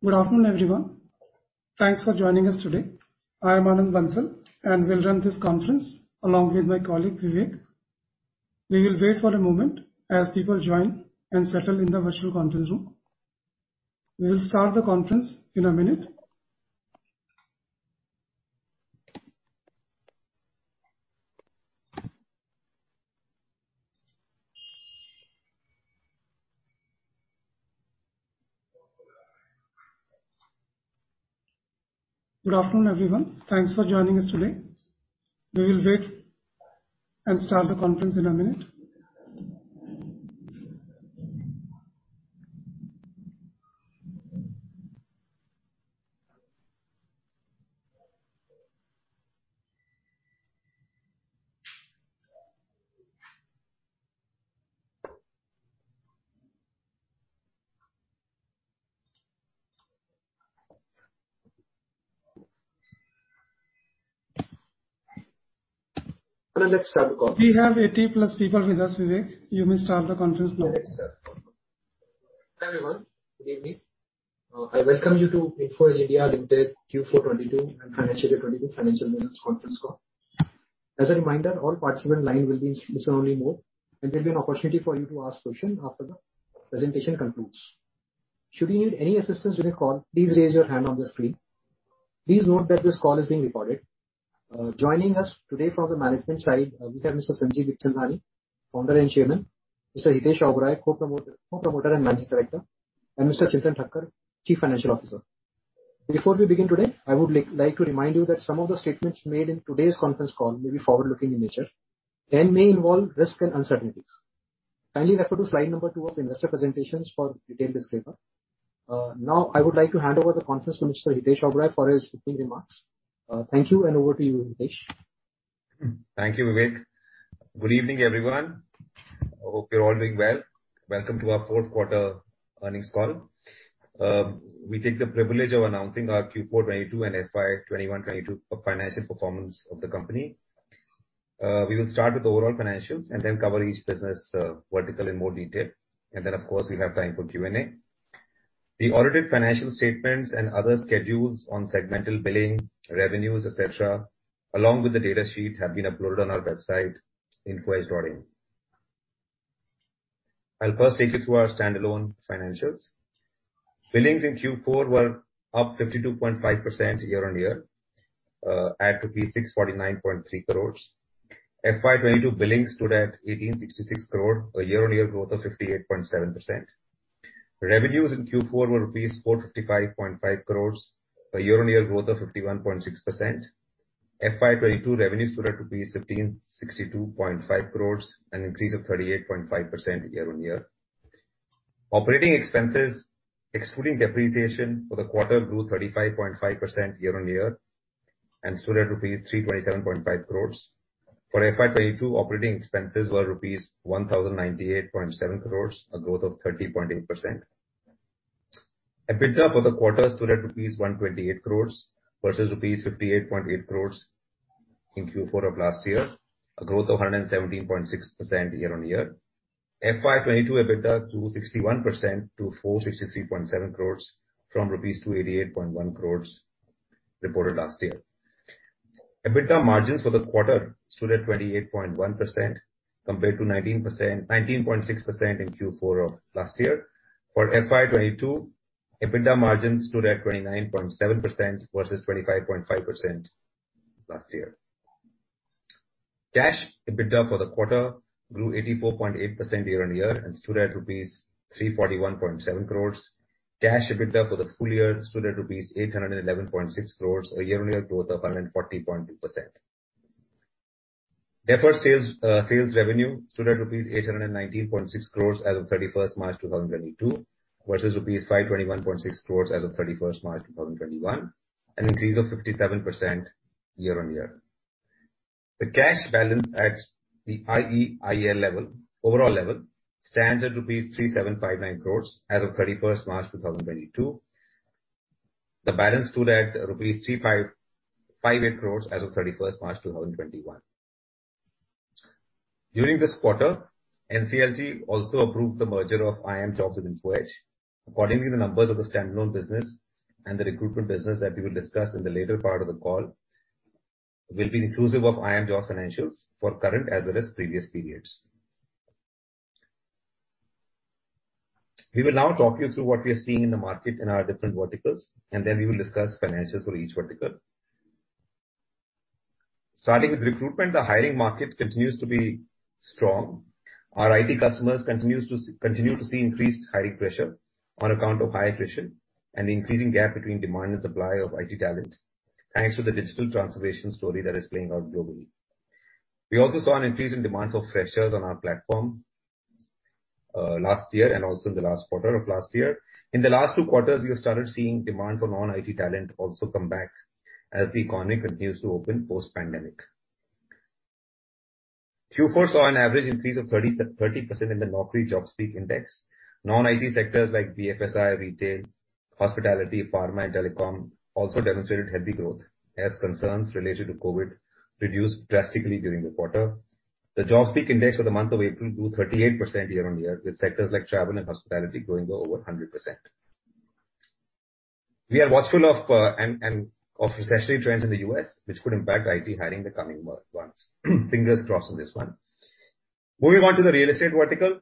Good afternoon, everyone. Thanks for joining us today. I am Anand Bansal, and will run this conference along with my colleague, Vivek. We will wait for a moment as people join and settle in the virtual conference room. We will start the conference in a minute. Good afternoon, everyone. Thanks for joining us today. We will wait and start the conference in a minute. No, let's start the conference. We have 80+ people with us, Vivek. You may start the conference now. Let's start the conference. Hi, everyone. Good evening. I welcome you to Info Edge (India) Limited Q4 2022 and financial year 2022 financial business conference call. As a reminder, all participant line will be in listen-only mode, and there'll be an opportunity for you to ask questions after the presentation concludes. Should you need any assistance with your call, please raise your hand on the screen. Please note that this call is being recorded. Joining us today from the management side, we have Mr. Sanjeev Bikhchandani, Founder and Chairman, Mr. Hitesh Oberoi, Co-Promoter and Managing Director, and Mr. Chintan Thakkar, Chief Financial Officer. Before we begin today, I would like to remind you that some of the statements made in today's conference call may be forward-looking in nature and may involve risks and uncertainties. Kindly refer to slide number 2 of investor presentation for detailed disclaimer. Now, I would like to hand over the conference to Mr. Hitesh Oberoi for his opening remarks. Thank you, and over to you, Hitesh. Thank you, Vivek. Good evening, everyone. Hope you're all doing well. Welcome to our fourth quarter earnings call. We take the privilege of announcing our Q4 2022 and FY 2021-2022 financial performance of the company. We will start with overall financials and then cover each business vertical in more detail. Of course, we have time for Q&A. The audited financial statements and other schedules on segmental billing, revenues, et cetera, along with the data sheet have been uploaded on our website, infoedge.in. I'll first take you through our standalone financials. Billings in Q4 were up 52.5% year-on-year at INR 649.3 crore. FY 2022 billings stood at 1,866 crore, a year-on-year growth of 58.7%. Revenues in Q4 were rupees 455.5 crore, a year-on-year growth of 51.6%. FY 2022 revenues stood at rupees 1,562.5 crore, an increase of 38.5% year-on-year. Operating expenses excluding depreciation for the quarter grew 35.5% year-on-year and stood at rupees 327.5 crore. For FY 2022, operating expenses were rupees 1,098.7 crore, a growth of 13.8%. EBITDA for the quarter stood at rupees 128 crore versus rupees 58.8 crore in Q4 of last year, a growth of 117.6% year-on-year. FY 2022 EBITDA grew 61% to 463.7 crore rupees from rupees 288.1 crore reported last year. EBITDA margins for the quarter stood at 28.1% compared to 19.6% in Q4 of last year. For FY 2022, EBITDA margins stood at 29.7% versus 25.5% last year. Cash EBITDA for the quarter grew 84.8% year-on-year and stood at rupees 341.7 crore. Cash EBITDA for the full year stood at rupees 811.6 crores, a year-on-year growth of 140.2%. Deferred sales revenue stood at rupees 819.6 crores as of March 31, 2022 versus rupees 521.6 crores as of March 31, 2021, an increase of 57% year-on-year. The cash balance at the IEIL level, overall level, stands at rupees 3,759 crore as of March 31, 2022. The balance stood at rupees 358 crores as of March 31, 2021. During this quarter NCLT also approved the merger of IIMJobs with Info Edge. Accordingly, the numbers of the standalone business and the recruitment business that we will discuss in the later part of the call will be inclusive of IIMJobs financials for current as well as previous periods. We will now talk you through what we are seeing in the market in our different verticals, and then we will discuss financials for each vertical. Starting with recruitment, the hiring market continues to be strong. Our IT customers continue to see increased hiring pressure on account of high attrition and the increasing gap between demand and supply of IT talent, thanks to the digital transformation story that is playing out globally. We also saw an increase in demand for freshers on our platform last year and also in the last quarter of last year. In the last two quarters, we have started seeing demand for non-IT talent also come back as the economy continues to open post-pandemic. Q4 saw an average increase of 30% in the Naukri JobSpeak Index. Non-IT sectors like BFSI, retail, hospitality, pharma, and telecom also demonstrated healthy growth as concerns related to COVID reduced drastically during the quarter. The JobSpeak index for the month of April grew 38% year-on-year, with sectors like travel and hospitality growing by over 100%. We are watchful of recessionary trends in the U.S. which could impact IT hiring in the coming months. Fingers crossed on this one. Moving on to the real estate vertical.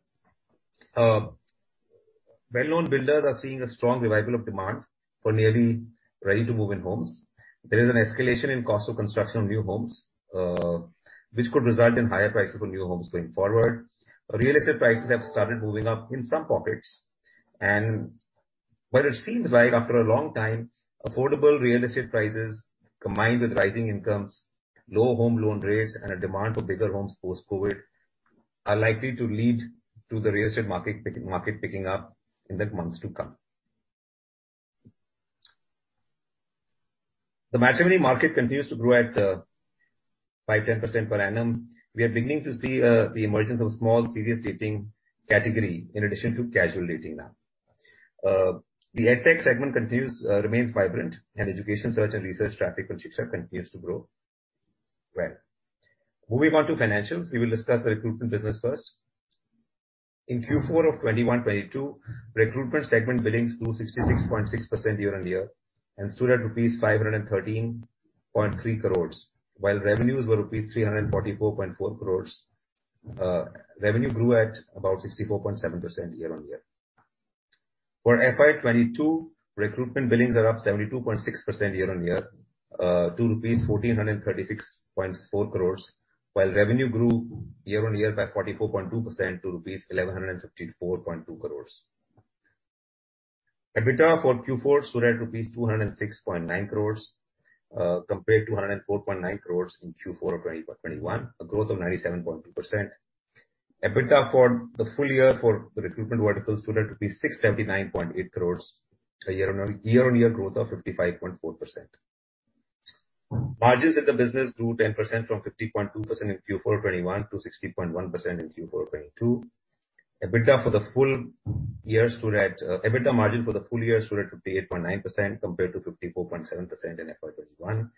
Well-known builders are seeing a strong revival of demand for nearly ready-to-move-in homes. There is an escalation in cost of construction of new homes, which could result in higher prices for new homes going forward. Real estate prices have started moving up in some pockets. Well it seems like after a long time, affordable real estate prices combined with rising incomes, low home loan rates, and a demand for bigger homes post-COVID are likely to lead to the real estate market picking up in the months to come. The matrimony market continues to grow at 5%-10% per annum. We are beginning to see the emergence of small serious dating category in addition to casual dating now. The EdTech segment continues remains vibrant, and education search and research traffic on Shiksha continues to grow well. Moving on to financials. We will discuss the recruitment business first. In Q4 2021-2022, recruitment segment billings grew 66.6% year-on-year and stood at rupees 513.3 crore. While revenues were rupees 344.4 crore. Revenue grew at about 64.7% year-on-year. For FY 2022, recruitment billings are up 72.6% year-on-year to rupees 1,436.4 crore, while revenue grew year-on-year by 44.2% to rupees 1,154.2 crore. EBITDA for Q4 stood at rupees 206.9 crore, compared to 104.9 crore in Q4 2021, a growth of 97.2%. EBITDA for the full year for the recruitment vertical stood at 679.8 crore, a year-on-year growth of 55.4%. Margins in the business grew 10% from 50.2% in Q4 2021 to 60.1% in Q4 2022. EBITDA for the full year stood at, EBITDA margin for the full year stood at 58.9% compared to 54.7% in FY 2021.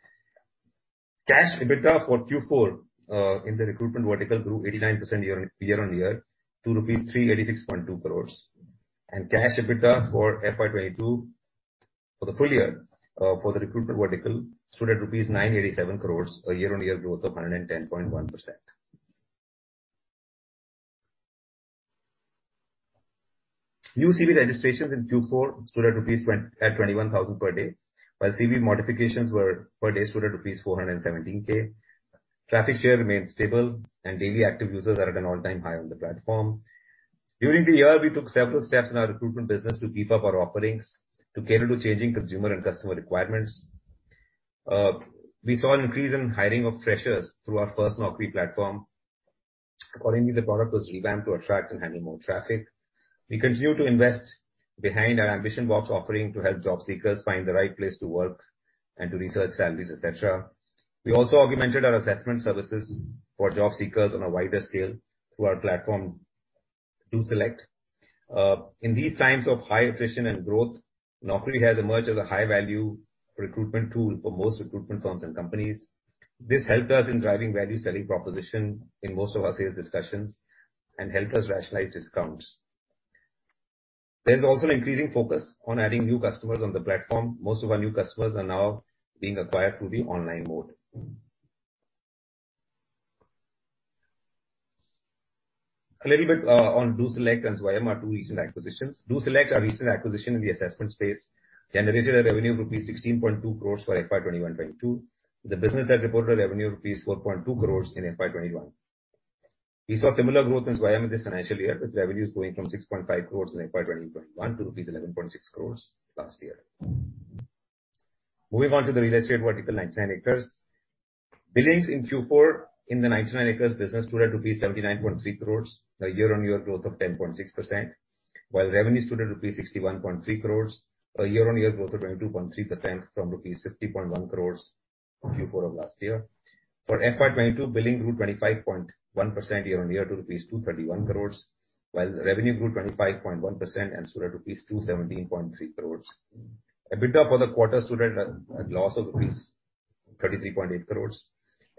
Cash EBITDA for Q4 in the recruitment vertical grew 89% year-on-year to INR 386.2 crore. Cash EBITDA for FY 2022 for the full year, for the recruitment vertical stood at rupees 987 crore, a year-on-year growth of 110.1%. New CV registrations in Q4 stood at 21,000 per day, while CV modifications per day stood at 417,000. Traffic share remains stable and daily active users are at an all-time high on the platform. During the year, we took several steps in our recruitment business to beef up our offerings to cater to changing consumer and customer requirements. We saw an increase in hiring of freshers through our FirstNaukri platform. Accordingly, the product was revamped to attract and handle more traffic. We continue to invest behind our AmbitionBox offering to help job seekers find the right place to work and to research salaries, etc. We also augmented our assessment services for job seekers on a wider scale through our platform, DoSelect. In these times of high attrition and growth, Naukri has emerged as a high-value recruitment tool for most recruitment firms and companies. This helped us in driving value selling proposition in most of our sales discussions and helped us rationalize discounts. There's also an increasing focus on adding new customers on the platform. Most of our new customers are now being acquired through the online mode. A little bit on DoSelect and Zwayam, our two recent acquisitions. DoSelect, our recent acquisition in the assessment space, generated a revenue of rupees 16.2 crore for FY 2021/2022. The business has reported revenue of rupees 4.2 crore in FY 2021. We saw similar growth in Zwayam this financial year, with revenues growing from 6.5 crore in FY 2021 to rupees 11.6 crore last year. Moving on to the real estate vertical, 99acres. Billings in Q4 in the 99acres business stood at rupees 79.3 crore, a year-on-year growth of 10.6%, while revenue stood at rupees 61.3 crore, a year-on-year growth of 22.3% from rupees 50.1 crore Q4 of last year. For FY 2022, billing grew 25.1% year-on-year to rupees 231 crore, while revenue grew 25.1% and stood at rupees 217.3 crore. EBITDA for the quarter stood at a loss of rupees 33.8 crore.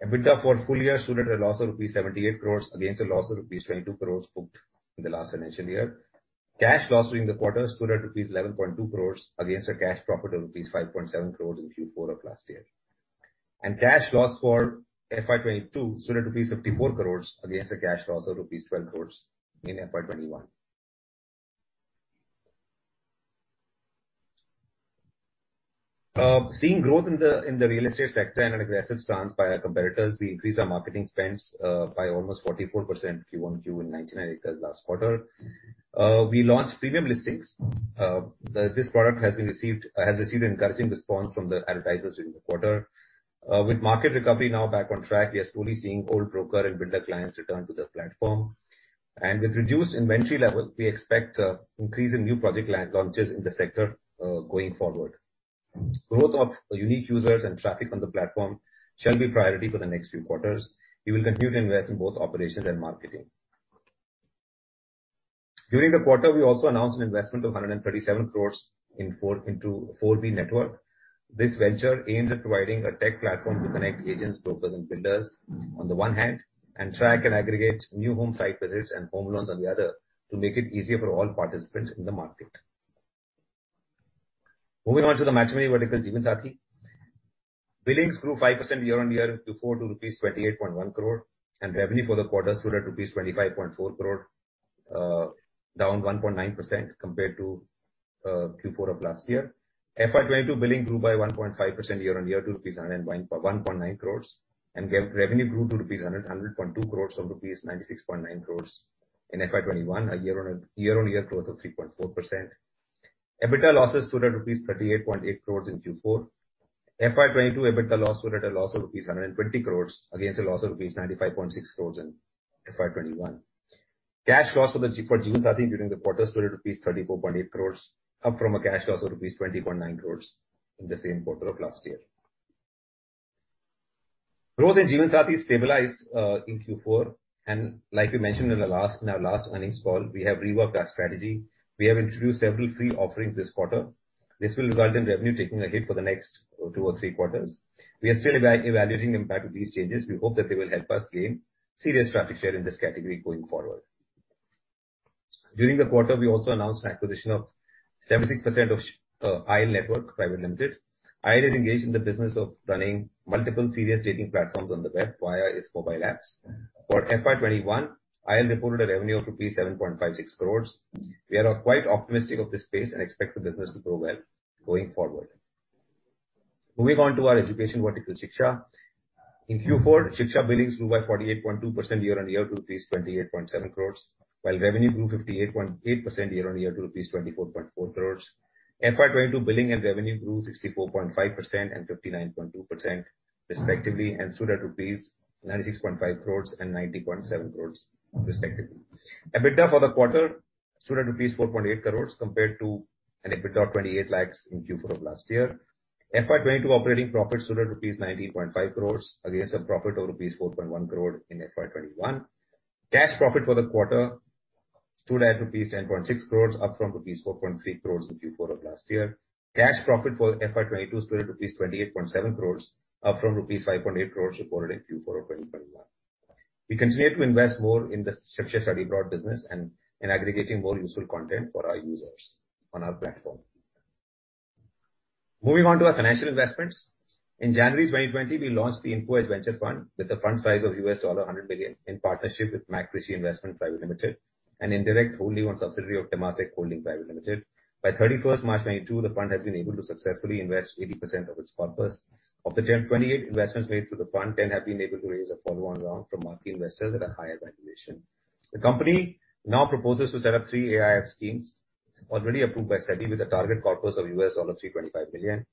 EBITDA for full year stood at a loss of rupees 78 crore against a loss of rupees 22 crore booked in the last financial year. Cash loss during the quarter stood at rupees 11.2 crore against a cash profit of rupees 5.7 crore in Q4 of last year. Cash loss for FY 2022 stood at rupees 54 crore against a cash loss of rupees 12 crore in FY 2021. Seeing growth in the real estate sector and an aggressive stance by our competitors, we increased our marketing spends by almost 44% quarter-over-quarter in 99acres last quarter. We launched premium listings. This product has received encouraging response from the advertisers during the quarter. With market recovery now back on track, we are slowly seeing old broker and builder clients return to the platform. With reduced inventory levels, we expect increase in new project line launches in the sector, going forward. Growth of unique users and traffic on the platform shall be priority for the next few quarters. We will continue to invest in both operations and marketing. During the quarter, we also announced an investment of 137 crore in 4B Networks. This venture aims at providing a tech platform to connect agents, brokers and builders on the one hand, and track and aggregate new home site visits and home loans on the other to make it easier for all participants in the market. Moving on to the matrimony vertical, Jeevansathi. Billings grew 5% year-on-year to rupees 28.1 crore and revenue for the quarter stood at rupees 25.4 crore, down 1.9% compared to Q4 of last year. FY 2022 billing grew by 1.5% year-on-year to rupees 101.9 crore, and revenue grew to 100.2 crore from rupees 96.9 crore in FY 2021, a year-on-year growth of 3.4%. EBITDA losses stood at INR 38.8 crore in Q4. FY 2022 EBITDA loss stood at a loss of INR 120 crore against a loss of INR 95.6 crore in FY 2021. Cash loss for the Jeevansathi during the quarter stood at INR 34.8 crore, up from a cash loss of INR 20.9 crore in the same quarter of last year. Growth in Jeevansathi stabilized in Q4. Like we mentioned in our last earnings call, we have reworked our strategy. We have introduced several free offerings this quarter. This will result in revenue taking a hit for the next two or three quarters. We are still evaluating impact of these changes. We hope that they will help us gain serious traffic share in this category going forward. During the quarter, we also announced an acquisition of 76% of Aisle Network Private Limited. Aisle is engaged in the business of running multiple serious dating platforms on the web via its mobile apps. For FY 2021, Aisle reported a revenue of 7.56 crore rupees. We are quite optimistic of this space and expect the business to grow well going forward. Moving on to our education vertical, Shiksha. In Q4, Shiksha billings grew by 48.2% year-over-year to rupees 28.7 crore, while revenue grew 58.8% year-over-year to rupees 24.4 crore. FY 2022 billing and revenue grew 64.5% and 59.2% respectively, and stood at rupees 96.5 crore and 90.7 crore respectively. EBITDA for the quarter stood at rupees 4.8 crore compared to an EBITDA of 28 lakh in Q4 of last year. FY 2022 operating profit stood at rupees 19.5 crore against a profit of rupees 4.1 crore in FY 2021. Cash profit for the quarter stood at rupees 10.6 crore, up from rupees 4.3 crore in Q4 of last year. Cash profit for FY 2022 stood at rupees 28.7 crore, up from rupees 5.8 crore reported in Q4 2021. We continue to invest more in the Shiksha Study Abroad business and in aggregating more useful content for our users on our platform. Moving on to our financial investments. In January 2020, we launched the Info Edge Venture Fund with a fund size of $100 million in partnership with MacRitchie Investments Pte Ltd., an indirect wholly-owned subsidiary of Temasek Holdings Private Limited. By March 31, 2022 the fund has been able to successfully invest 80% of its corpus. Of the 28 investments made through the fund, 10 have been able to raise a follow-on round from market investors at a higher valuation. The company now proposes to set up three AIF schemes already approved by SEBI with a target corpus of $325 million.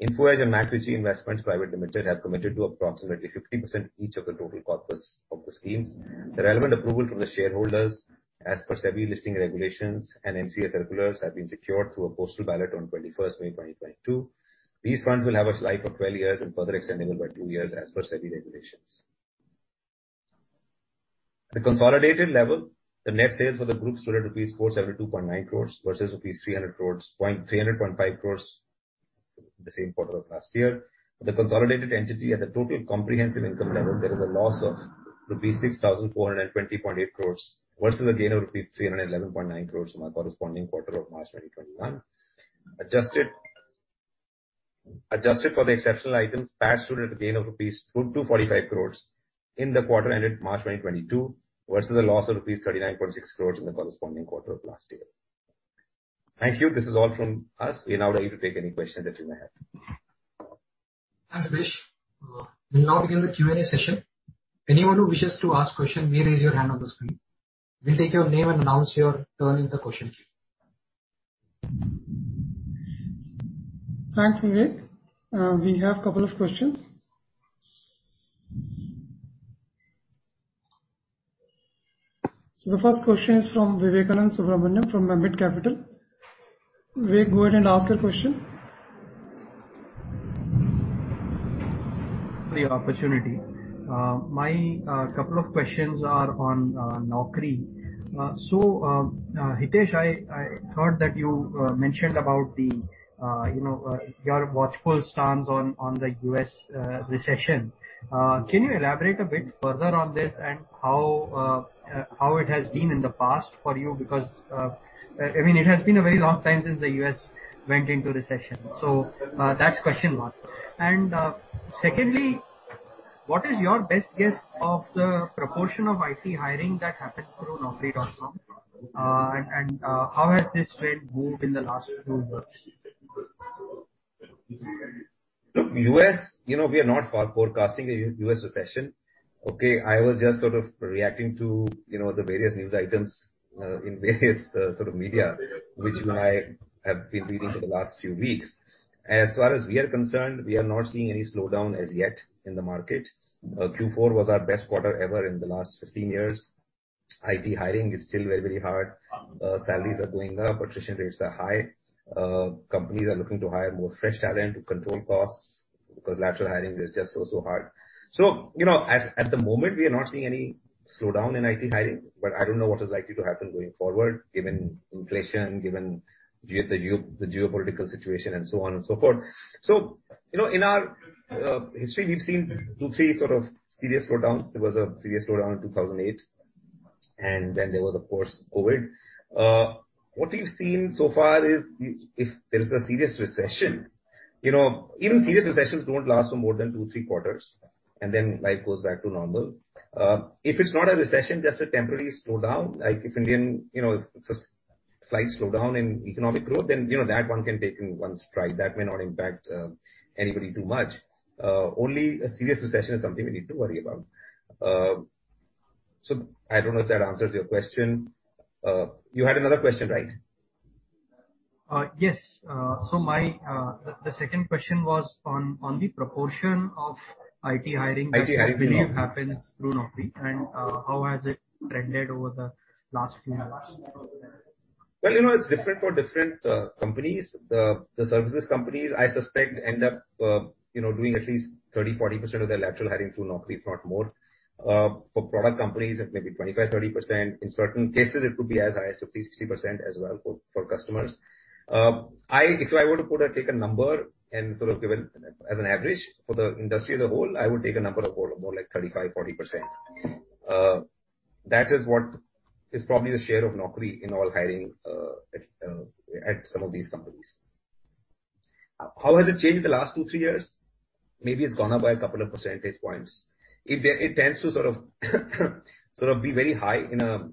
Info Edge and MacRitchie Investments Pte Ltd have committed to approximately 50% each of the total corpus of the schemes. The relevant approval from the shareholders as per SEBI listing regulations and MCA circulars have been secured through a postal ballot on May 21, 2022. These funds will have a life of 12 years and further extendable by 2 years as per SEBI regulations. At the consolidated level, the net sales for the group stood at rupees 472.9 crore versus 300.5 crore the same quarter of last year. For the consolidated entity at the total comprehensive income level, there is a loss of rupees 6,420.8 crore versus a gain of rupees 311.9 crore from our corresponding quarter of March 2021. Adjusted for the exceptional items, PAT stood at a gain of rupees 245 crore in the quarter ended March 2022 versus a loss of rupees 39.6 crore in the corresponding quarter of last year. Thank you. This is all from us. We are now ready to take any questions that you may have. Thanks, Hitesh. We'll now begin the Q&A session. Anyone who wishes to ask question, may raise your hand on the screen. We'll take your name and announce your turn in the question queue. Thanks, Vivek. We have couple of questions. The first question is from Vivekanand Subbaraman from Ambit Capital. Vivek, go ahead and ask your question. The opportunity. My couple of questions are on Naukri. So, Hitesh, I thought that you mentioned about the you know your watchful stance on the U.S. recession. Can you elaborate a bit further on this and how it has been in the past for you? Because I mean, it has been a very long time since the U.S. went into recession. So, that's question one. Secondly, what is your best guess of the proportion of IT hiring that happens through Naukri.com? And how has this trend moved in the last two years? Look, U.S., you know, we are not forecasting a U.S. recession. Okay. I was just sort of reacting to, you know, the various news items in various sort of media, which you and I have been reading for the last few weeks. As far as we are concerned, we are not seeing any slowdown as yet in the market. Q4 was our best quarter ever in the last 15 years. IT hiring is still very, very hard. Salaries are going up. Retention rates are high. Companies are looking to hire more fresh talent to control costs. Because lateral hiring is just so hard. You know, at the moment, we are not seeing any slowdown in IT hiring, but I don't know what is likely to happen going forward, given inflation, given the geopolitical situation and so on and so forth. You know, in our history, we've seen two, three sort of serious slowdowns. There was a serious slowdown in 2008, and then there was, of course, COVID. What we've seen so far is if there's a serious recession, you know, even serious recessions don't last for more than two, three quarters, and then life goes back to normal. If it's not a recession, just a temporary slowdown, like if Indian, you know, if it's a slight slowdown in economic growth, then, you know, that one can take in one stride. That may not impact anybody too much. Only a serious recession is something we need to worry about. So I don't know if that answers your question. You had another question, right? Yes. My second question was on the proportion of IT hiring. IT hiring, yes. That usually happens through Naukri and, how has it trended over the last few years? Well, you know, it's different for different companies. The services companies, I suspect end up doing at least 30%-40% of their lateral hiring through Naukri, if not more. For product companies, it may be 25%-30%. In certain cases, it could be as high as 50%-60% as well for customers. If I were to put or take a number and sort of give an average for the industry as a whole, I would take a number of more like 35%-40%. That is what is probably the share of Naukri in all hiring at some of these companies. How has it changed in the last two-three years? Maybe it's gone up by a couple of percentage points. It tends to sort of be very high in a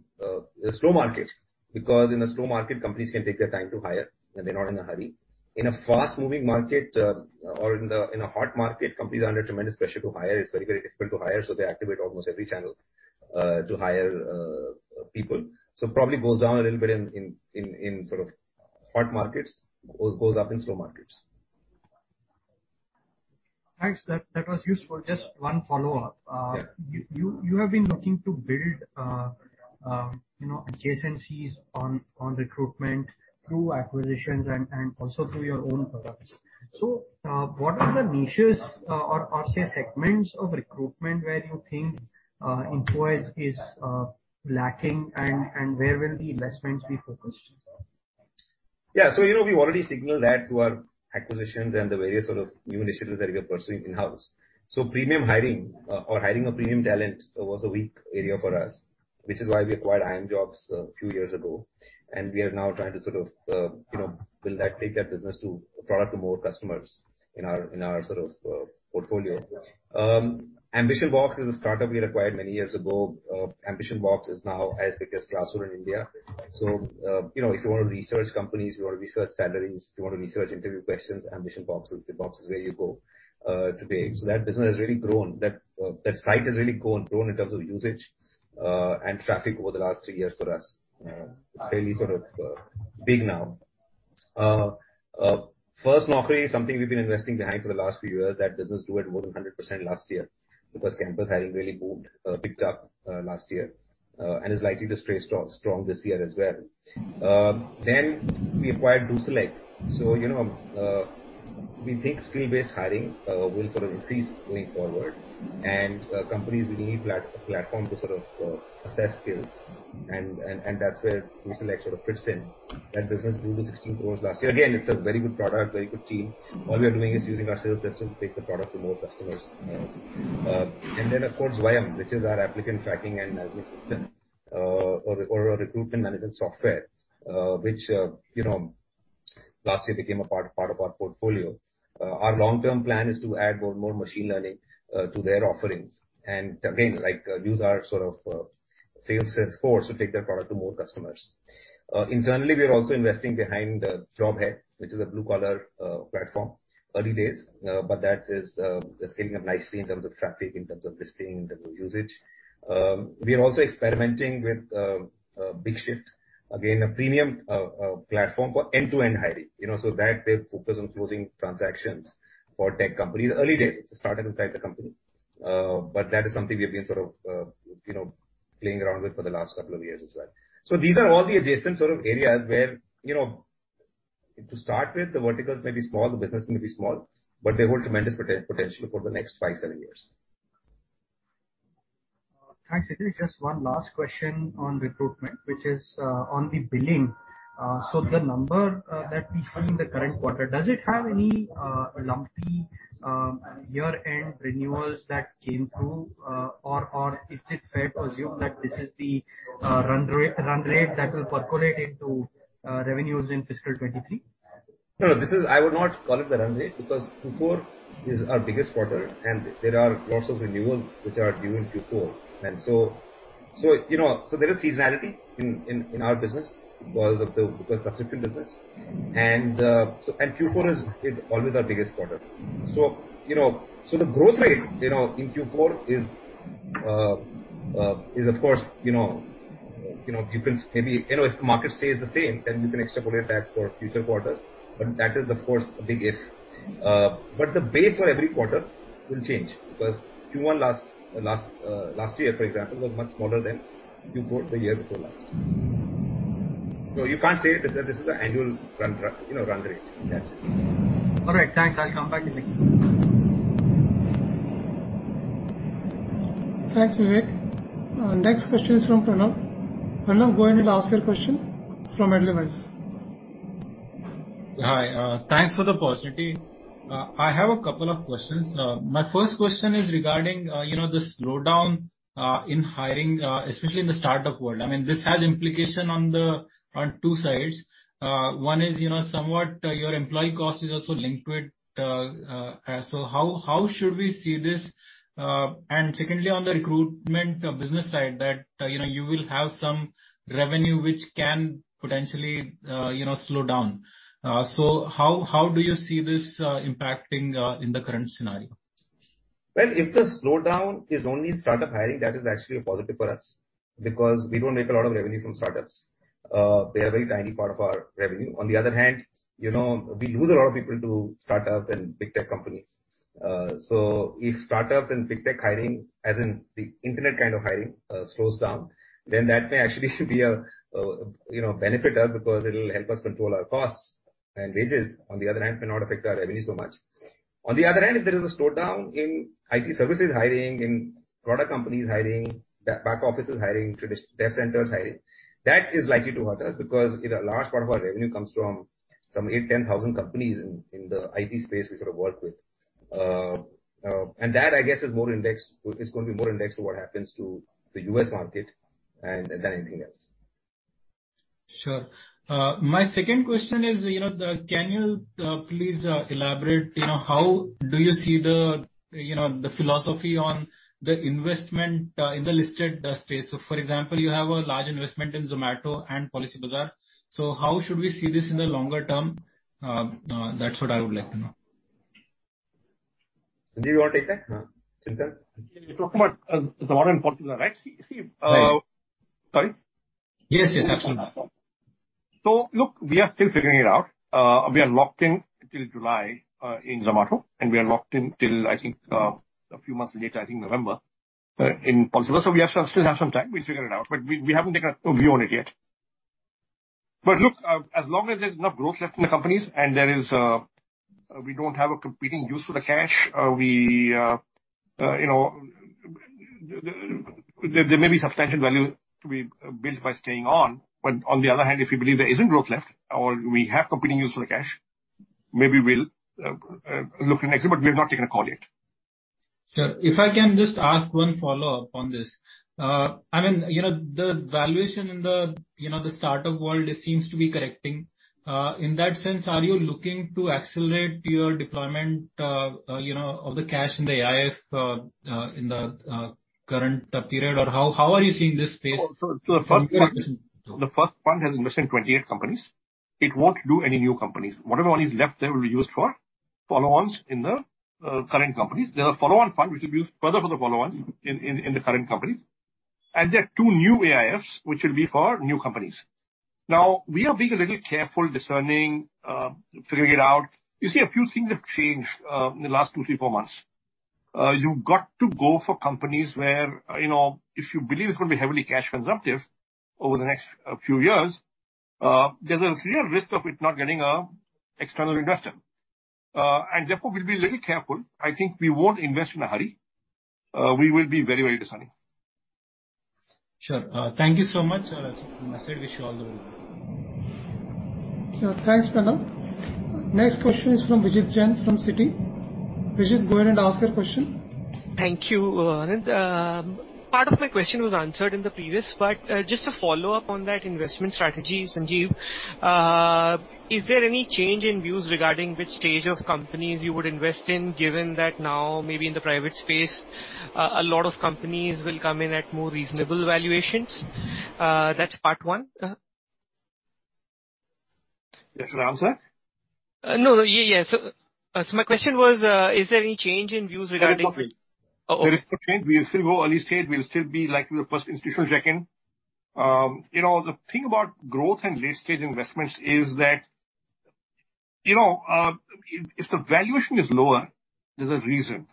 slow market because in a slow market, companies can take their time to hire, and they're not in a hurry. In a fast-moving market, or in a hot market, companies are under tremendous pressure to hire. It's very expensive to hire, so they activate almost every channel to hire people. Probably goes down a little bit in sort of hot markets or goes up in slow markets. Thanks. That was useful. Just one follow-up. Yeah. You have been looking to build, you know, adjacencies on recruitment through acquisitions and also through your own products. What are the niches, or say segments of recruitment where you think Naukri is lacking and where will the investments be focused? Yeah. You know, we've already signaled that through our acquisitions and the various sort of new initiatives that we are pursuing in-house. Premium hiring or hiring of premium talent was a weak area for us, which is why we acquired IIMJobs a few years ago, and we are now trying to sort of, you know, build that take that business to the product to more customers in our sort of portfolio. AmbitionBox is a startup we acquired many years ago. AmbitionBox is now as big as Glassdoor in India. You know, if you wanna research companies, you wanna research salaries, if you wanna research interview questions, AmbitionBox is the box where you go today. That business has really grown. That site has really grown in terms of usage and traffic over the last three years for us. It's fairly sort of big now. FirstNaukri is something we've been investing behind for the last few years. That business grew at more than 100% last year because campus hiring really boomed, picked up last year, and is likely to stay strong this year as well. We acquired DoSelect. You know, we think skill-based hiring will sort of increase going forward, and companies will need a platform to sort of assess skills and that's where DoSelect sort of fits in. That business grew to 16 crore last year. Again, it's a very good product, very good team. All we are doing is using our sales system to take the product to more customers. Of course, Zwayam, which is our applicant tracking and management system, or a recruitment management software, which, you know, last year became a part of our portfolio. Our long-term plan is to add more machine learning to their offerings. Again, like, use our sort of sales force to take that product to more customers. Internally, we are also investing behind Job Hai, which is a blue-collar platform. Early days, but that is scaling up nicely in terms of traffic, in terms of listing, in terms of usage. We are also experimenting with BigShyft, again, a premium platform for end-to-end hiring. You know, that they focus on closing transactions for tech companies. Early days. It's a startup inside the company. That is something we have been sort of, you know, playing around with for the last couple of years as well. These are all the adjacent sort of areas where, you know, to start with, the verticals may be small, the business may be small, but they hold tremendous potential for the next five, seven years. Thanks. Actually, just one last question on recruitment, which is on the billing. So the number that we see in the current quarter, does it have any lumpy year-end renewals that came through, or is it fair to assume that this is the run rate that will percolate into revenues in fiscal 2023? No, I would not call it the run rate because Q4 is our biggest quarter, and there are lots of renewals which are due in Q4. You know, there is seasonality in our business because of the subscription business. Q4 is always our biggest quarter. You know, the growth rate in Q4 is, of course, you know. You know, if the market stays the same, then you can extrapolate that for future quarters, but that is, of course, a big if. The base for every quarter will change because Q1 last year, for example, was much smaller than Q4 the year before last. No, you can't say that this is the annual run rate. That's it. All right, thanks. I'll come back if necessary. Thanks, Vivek. Next question is from Pranav. Pranav, go ahead and ask your question from Edelweiss. Hi, thanks for the opportunity. I have a couple of questions. My first question is regarding, you know, the slowdown in hiring, especially in the startup world. I mean, this has implication on two sides. One is, you know, somewhat your employee cost is also linked with. How should we see this? Secondly, on the recruitment business side, that, you know, you will have some revenue which can potentially, you know, slow down. How do you see this impacting in the current scenario? Well, if the slowdown is only startup hiring, that is actually a positive for us because we don't make a lot of revenue from startups. They are a very tiny part of our revenue. On the other hand, you know, we lose a lot of people to startups and big tech companies. So if startups and big tech hiring, as in the internet kind of hiring, slows down, then that may actually be a, you know, benefit us because it'll help us control our costs and wages. On the other hand, may not affect our revenue so much. On the other hand, if there is a slowdown in IT services hiring, in product companies hiring, back offices hiring, traditional data centers hiring, that is likely to hurt us because a large part of our revenue comes from some 8,000-10,000 companies in the IT space we sort of work with. That, I guess, is going to be more indexed to what happens to the U.S. market than anything else. Sure. My second question is, you know, can you please elaborate, you know, how do you see the philosophy on the investment in the listed space? For example, you have a large investment in Zomato and Policybazaar. How should we see this in the longer term? That's what I would like to know. Sanjeev, you wanna take that? Uh. Chintan? You're talking about Zomato and Policybazaar, right? See. Right. Sorry? Yes, yes, absolutely. Look, we are still figuring it out. We are locked in till July in Zomato, and we are locked in till, I think, a few months later, I think November, in Policybazaar. We still have some time. We'll figure it out, but we haven't taken a view on it yet. Look, as long as there's enough growth left in the companies and there is, we don't have a competing use for the cash, we, you know, there may be substantial value to be built by staying on. On the other hand, if we believe there isn't growth left or we have competing use for the cash, maybe we'll look an exit, but we've not taken a call yet. Sure. If I can just ask one follow-up on this. I mean, you know, the valuation in the, you know, the startup world seems to be correcting. In that sense, are you looking to accelerate your deployment, you know, of the cash in the AIF, in the current period? Or how are you seeing this space? The first one. From your end? The first fund has invested in 28 companies. It won't do any new companies. Whatever money is left there will be used for follow-ons in the current companies. There's a follow-on fund which will be used further for the follow-ons in the current companies. There are two new AIFs which will be for new companies. Now, we are being a little careful discerning, figuring it out. You see, a few things have changed in the last two-four months. You've got to go for companies where, you know, if you believe it's gonna be heavily cash consumptive over the next few years, there's a real risk of it not getting external investment. Therefore we'll be a little careful. I think we won't invest in a hurry. We will be very, very discerning. Sure. Thank you so much. I said wish you all the best. Sure. Thanks, Pranav. Next question is from Vijit Jain from Citi. Vijit, go ahead and ask your question. Thank you, Anand. Part of my question was answered in the previous, but just a follow-up on that investment strategy, Sanjeev. Is there any change in views regarding which stage of companies you would invest in, given that now maybe in the private space, a lot of companies will come in at more reasonable valuations? That's part one. You want me to answer? My question was, is there any change in views regarding- There is no change. Oh, okay. There is no change. We'll still go early stage. We'll still be likely the first institutional check-in. You know, the thing about growth and late-stage investments is that, you know, if the valuation is lower, there's a reason.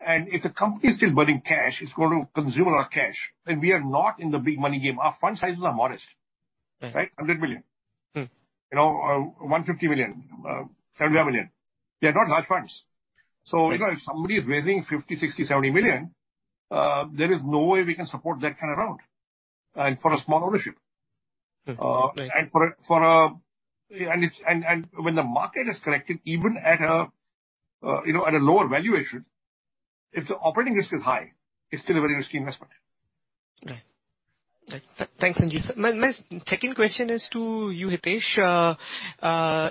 If the company is still burning cash, it's going to consume a lot of cash, and we are not in the big money game. Our fund sizes are modest. Right. Right? 100 million. Mm-hmm. You know, 150 million, 75 million. They're not large funds. Right. You know, if somebody is raising 50 million, 60 million, 70 million, there is no way we can support that kind of round, and for a small ownership. Mm-hmm. Right. When the market has corrected, even at a lower valuation, you know, if the operating risk is high, it's still a very risky investment. Right. Thanks, Sanjeev. My second question is to you, Hitesh.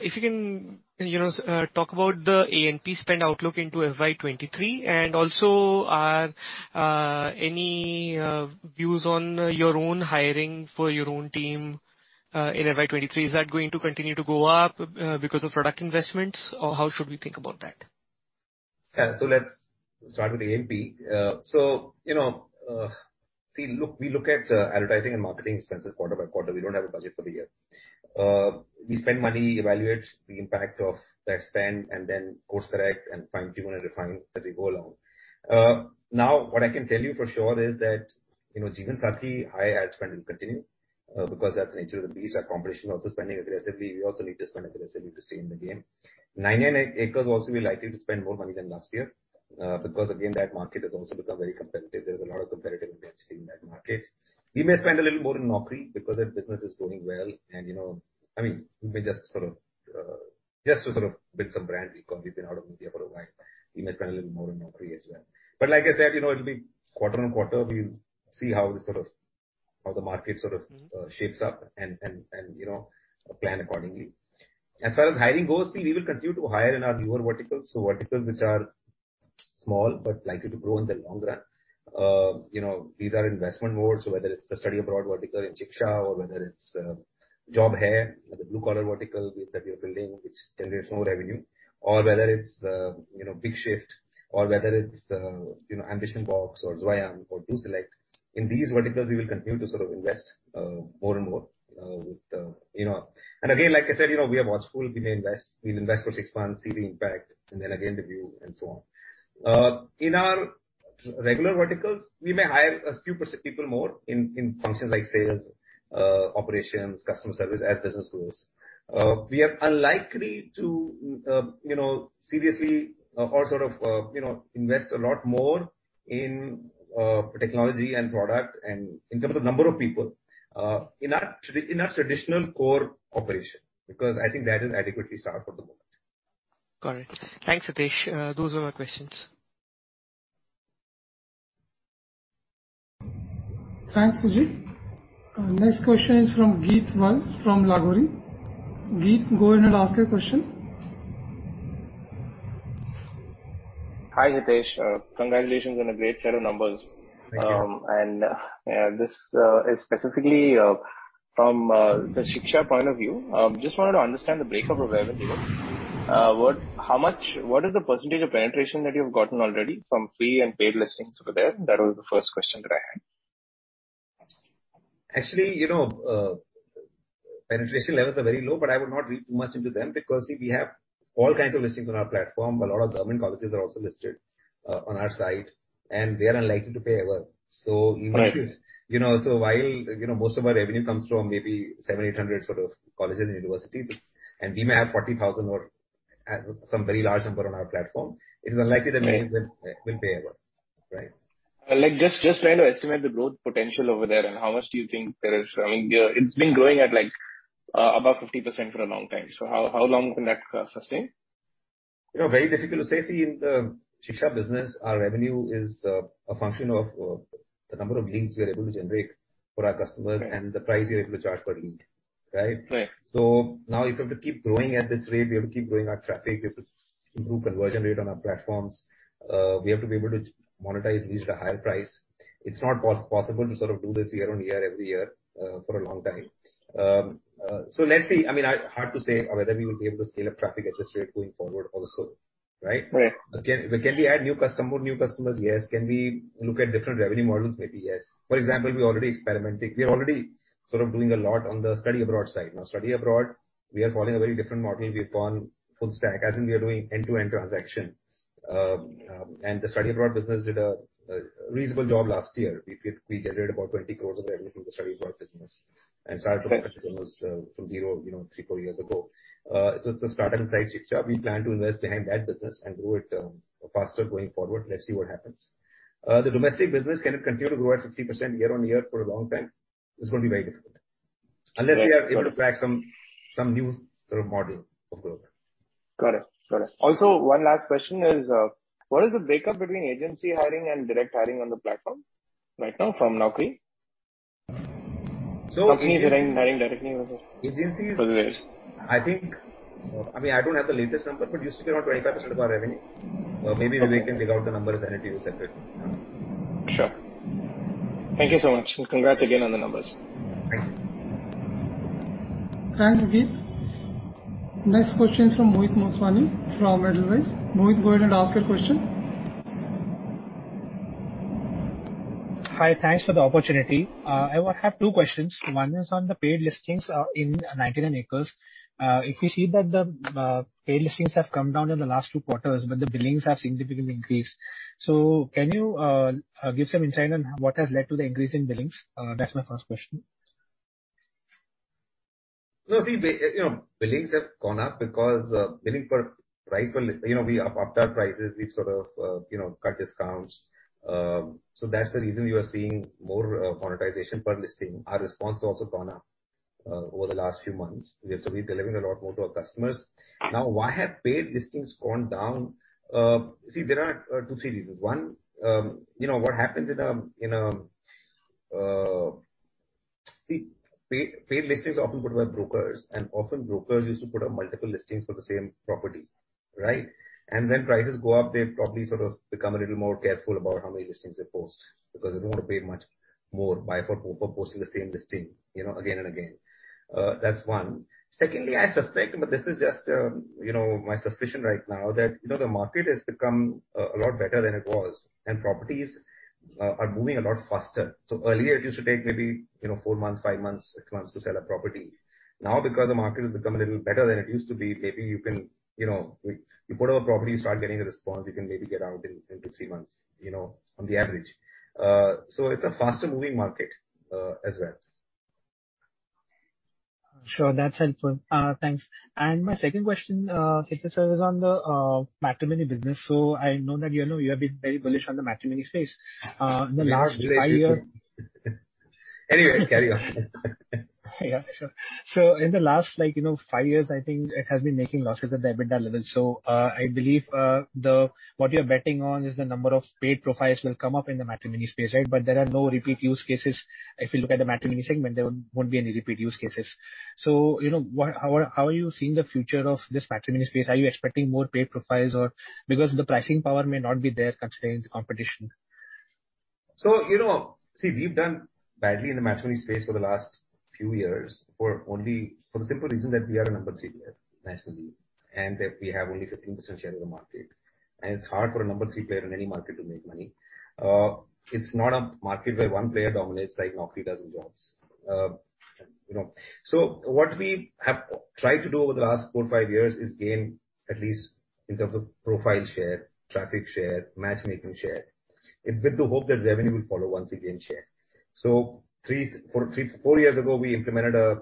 If you can, you know, talk about the A&P spend outlook into FY 2023, and also any views on your own hiring for your own team in FY 2023. Is that going to continue to go up because of product investments, or how should we think about that? Let's start with the A&P. We look at advertising and marketing expenses quarter by quarter. We don't have a budget for the year. We spend money, evaluate the impact of that spend, and then course correct and fine-tune and refine as we go along. What I can tell you for sure is that, you know, Jeevansathi high ad spend will continue, because that's the nature of the beast. Our competition also spending aggressively. We also need to spend aggressively to stay in the game. 99acres also will be likely to spend more money than last year, because again, that market has also become very competitive. There's a lot of competitive intensity in that market. We may spend a little more in Naukri because that business is doing well and, you know, I mean, we may just sort of just to sort of build some brand recall. We've been out of media for a while. We may spend a little more in Naukri as well. But like I said, you know, it'll be quarter on quarter. We'll see how the market shapes up and, you know, plan accordingly. As far as hiring goes, we will continue to hire in our newer verticals, so verticals which are small but likely to grow in the long run. You know, these are investment modes, so whether it's the study abroad vertical in Shiksha or whether it's Job Hai, the blue collar vertical that we are building, which generates no revenue or whether it's you know, BigShyft or whether it's you know, AmbitionBox or Zwayam or DoSelect. In these verticals we will continue to sort of invest more and more with you know. Again, like I said, you know, we are watchful. We may invest. We'll invest for six months, see the impact, and then again review and so on. In our regular verticals, we may hire a few people more in functions like sales, operations, customer service as business grows. We are unlikely to, you know, seriously or sort of, you know, invest a lot more in technology and product and in terms of number of people, in our traditional core operation, because I think that is adequately staffed for the moment. Got it. Thanks, Hitesh. Those were my questions. Thanks, Vijit. Next question is from Geeth Vaz from Lagori. Geet, go ahead and ask your question. Hi, Hitesh. Congratulations on a great set of numbers. Thank you. This is specifically from the Shiksha point of view. Just wanted to understand the breakdown of revenue. What is the percentage of penetration that you have gotten already from free and paid listings over there? That was the first question that I had. Actually, you know, penetration levels are very low, but I would not read too much into them because, see, we have all kinds of listings on our platform. A lot of government colleges are also listed on our site, and they are unlikely to pay ever. Right. You know, while, you know, most of our revenue comes from maybe 700-800 sort of colleges and universities, and we may have 40,000 or some very large number on our platform, it is unlikely that many will pay ever. Right. Like, just trying to estimate the growth potential over there and how much do you think there is? I mean, it's been growing at like, above 50% for a long time. How long can that sustain? You know, very difficult to say. See, in the Shiksha business, our revenue is a function of the number of leads we are able to generate for our customers. Right. The price we are able to charge per lead, right? Right. Now if we have to keep growing at this rate, we have to keep growing our traffic. We have to improve conversion rate on our platforms. We have to be able to monetize leads at a higher price. It's not possible to sort of do this year-on-year every year, for a long time. Let's see. I mean, hard to say whether we will be able to scale up traffic at this rate going forward also, right? Right. Can we add more new customers? Yes. Can we look at different revenue models? Maybe yes. For example, we're already experimenting. We are already sort of doing a lot on the study abroad side. Now study abroad, we are following a very different model. We've gone full stack, as in we are doing end-to-end transaction. And the study abroad business did a reasonable job last year. We generated about 20 crore of revenue from the study abroad business and started from almost from zero, you know, three or four years ago. So it's a startup inside Shiksha. We plan to invest behind that business and grow it faster going forward. Let's see what happens. The domestic business, can it continue to grow at 50% year-on-year for a long time? It's gonna be very difficult. Right. Got it. Unless we are able to crack some new sort of model of growth. Got it. Also, one last question is, what is the breakdown between agency hiring and direct hiring on the platform right now from Naukri? So- Companies hiring directly versus. Agencies- -versus- I think, I mean, I don't have the latest number, but usually around 25% of our revenue. Maybe Vivek can figure out the numbers and get it to you separately. Sure. Thank you so much, and congrats again on the numbers. Thank you. Thanks, Geeth. Next question is from Mohit Motwani from Edelweiss. Mohit, go ahead and ask your question. Hi. Thanks for the opportunity. I have two questions. One is on the paid listings in 99acres. If you see that the paid listings have come down in the last two quarters, but the billings have significantly increased. Can you give some insight on what has led to the increase in billings? That's my first question. No, see, you know, billings have gone up because we upped our prices. We've sort of cut discounts. That's the reason you are seeing more monetization per listing. Our response has also gone up over the last few months. We're delivering a lot more to our customers. Now, why have paid listings gone down? See, there are two, three reasons. One, you know what happens in a. See, paid listings are often put by brokers and often brokers used to put up multiple listings for the same property, right? When prices go up, they've probably sort of become a little more careful about how many listings they post because they don't want to pay much more for posting the same listing, you know, again and again. That's one. Secondly, I suspect, but this is just, you know, my suspicion right now that, you know, the market has become a lot better than it was, and properties are moving a lot faster. Earlier it used to take maybe, four months, five months, six months to sell a property. Now, because the market has become a little better than it used to be, maybe you can, you know. You put up a property, you start getting a response, you can maybe get out in two-three months, you know, on the average. It's a faster moving market, as well. Sure. That's helpful. Thanks. My second question is on the matrimony business. I know that you know you have been very bullish on the matrimony space in the last five years. Anyway, carry on. Yeah, sure. In the last, like, you know, five years, I think it has been making losses at the EBITDA level. I believe what you're betting on is the number of paid profiles will come up in the matrimony space, right? There are no repeat use cases. If you look at the matrimony segment, there won't be any repeat use cases. You know, how are you seeing the future of this matrimony space? Are you expecting more paid profiles? Because the pricing power may not be there considering the competition. You know, see, we've done badly in the matrimony space for the last few years for the simple reason that we are a number two player nationally, and that we have only 15% share of the market. It's hard for a number two player in any market to make money. It's not a market where one player dominates like Naukri does in jobs. You know. What we have tried to do over the last four to five years is gain at least in terms of profile share, traffic share, matchmaking share, with the hope that revenue will follow once we gain share. Three, four years ago, we implemented a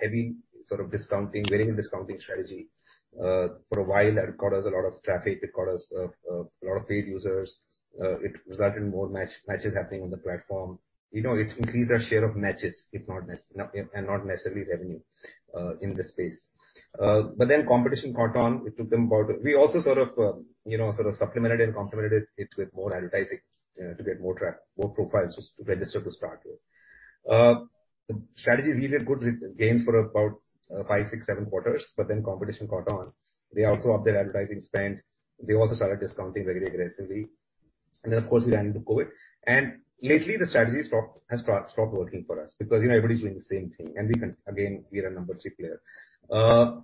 heavy sort of discounting, very heavy discounting strategy. For a while that got us a lot of traffic. It got us a lot of paid users. It resulted in more matches happening on the platform. You know, it increased our share of matches, if not necessarily revenue, in this space. Competition caught on. We also sort of, you know, sort of supplemented and complemented it with more advertising to get more profiles to register to start with. The strategy really had good gains for about five to seven quarters, but then competition caught on. They also upped their advertising spend. They also started discounting very aggressively. Then of course we ran into COVID. Lately the strategy has start-stopped working for us because, you know, everybody's doing the same thing. We can, again, we're a number two player.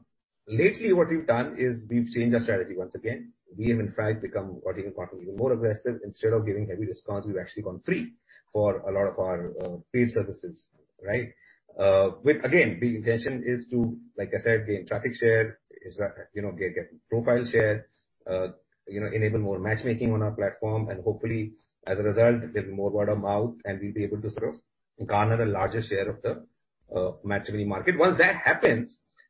Lately what we've done is we've changed our strategy once again. We have in fact become what you can call even more aggressive. Instead of giving heavy discounts, we've actually gone free for a lot of our paid services, right? With again, the intention is to, like I said, gain traffic share, you know, gain profile share, you know, enable more matchmaking on our platform, and hopefully as a result there'll be more word of mouth and we'll be able to sort of garner a larger share of the matrimony market. Once that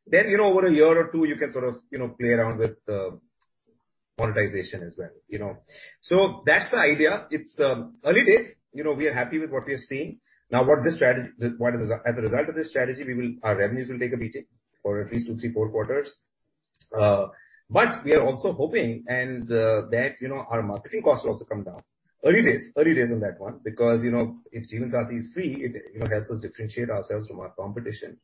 happens, over one year or two years, you can sort of, you know, play around with the monetization as well. That's the idea. It's early days. You know, we are happy with what we are seeing. Now, what is the As a result of this strategy, our revenues will take a beating for at least two to four quarters. We are also hoping and that, you know, our marketing costs will also come down. Early days on that one, because you know, if Jeevansathi is free, it, you know, helps us differentiate ourselves from our competition.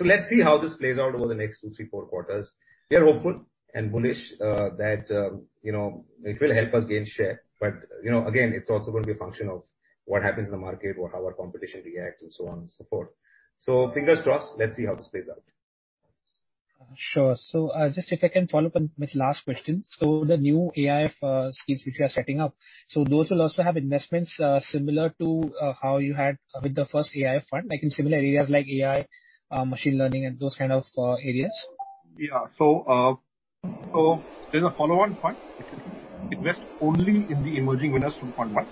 Let's see how this plays out over the next two, three, four quarters. We are hopeful and bullish that, you know, it will help us gain share. You know, again, it's also going to be a function of what happens in the market or how our competition reacts and so on and so forth. Fingers crossed. Let's see how this plays out. Sure. Just if I can follow up with my last question. The new AI schemes which you are setting up, so those will also have investments similar to how you had with the first AI fund, like in similar areas like AI, machine learning and those kind of areas? Yeah. There's a follow-on fund which will invest only in the emerging winners from fund one.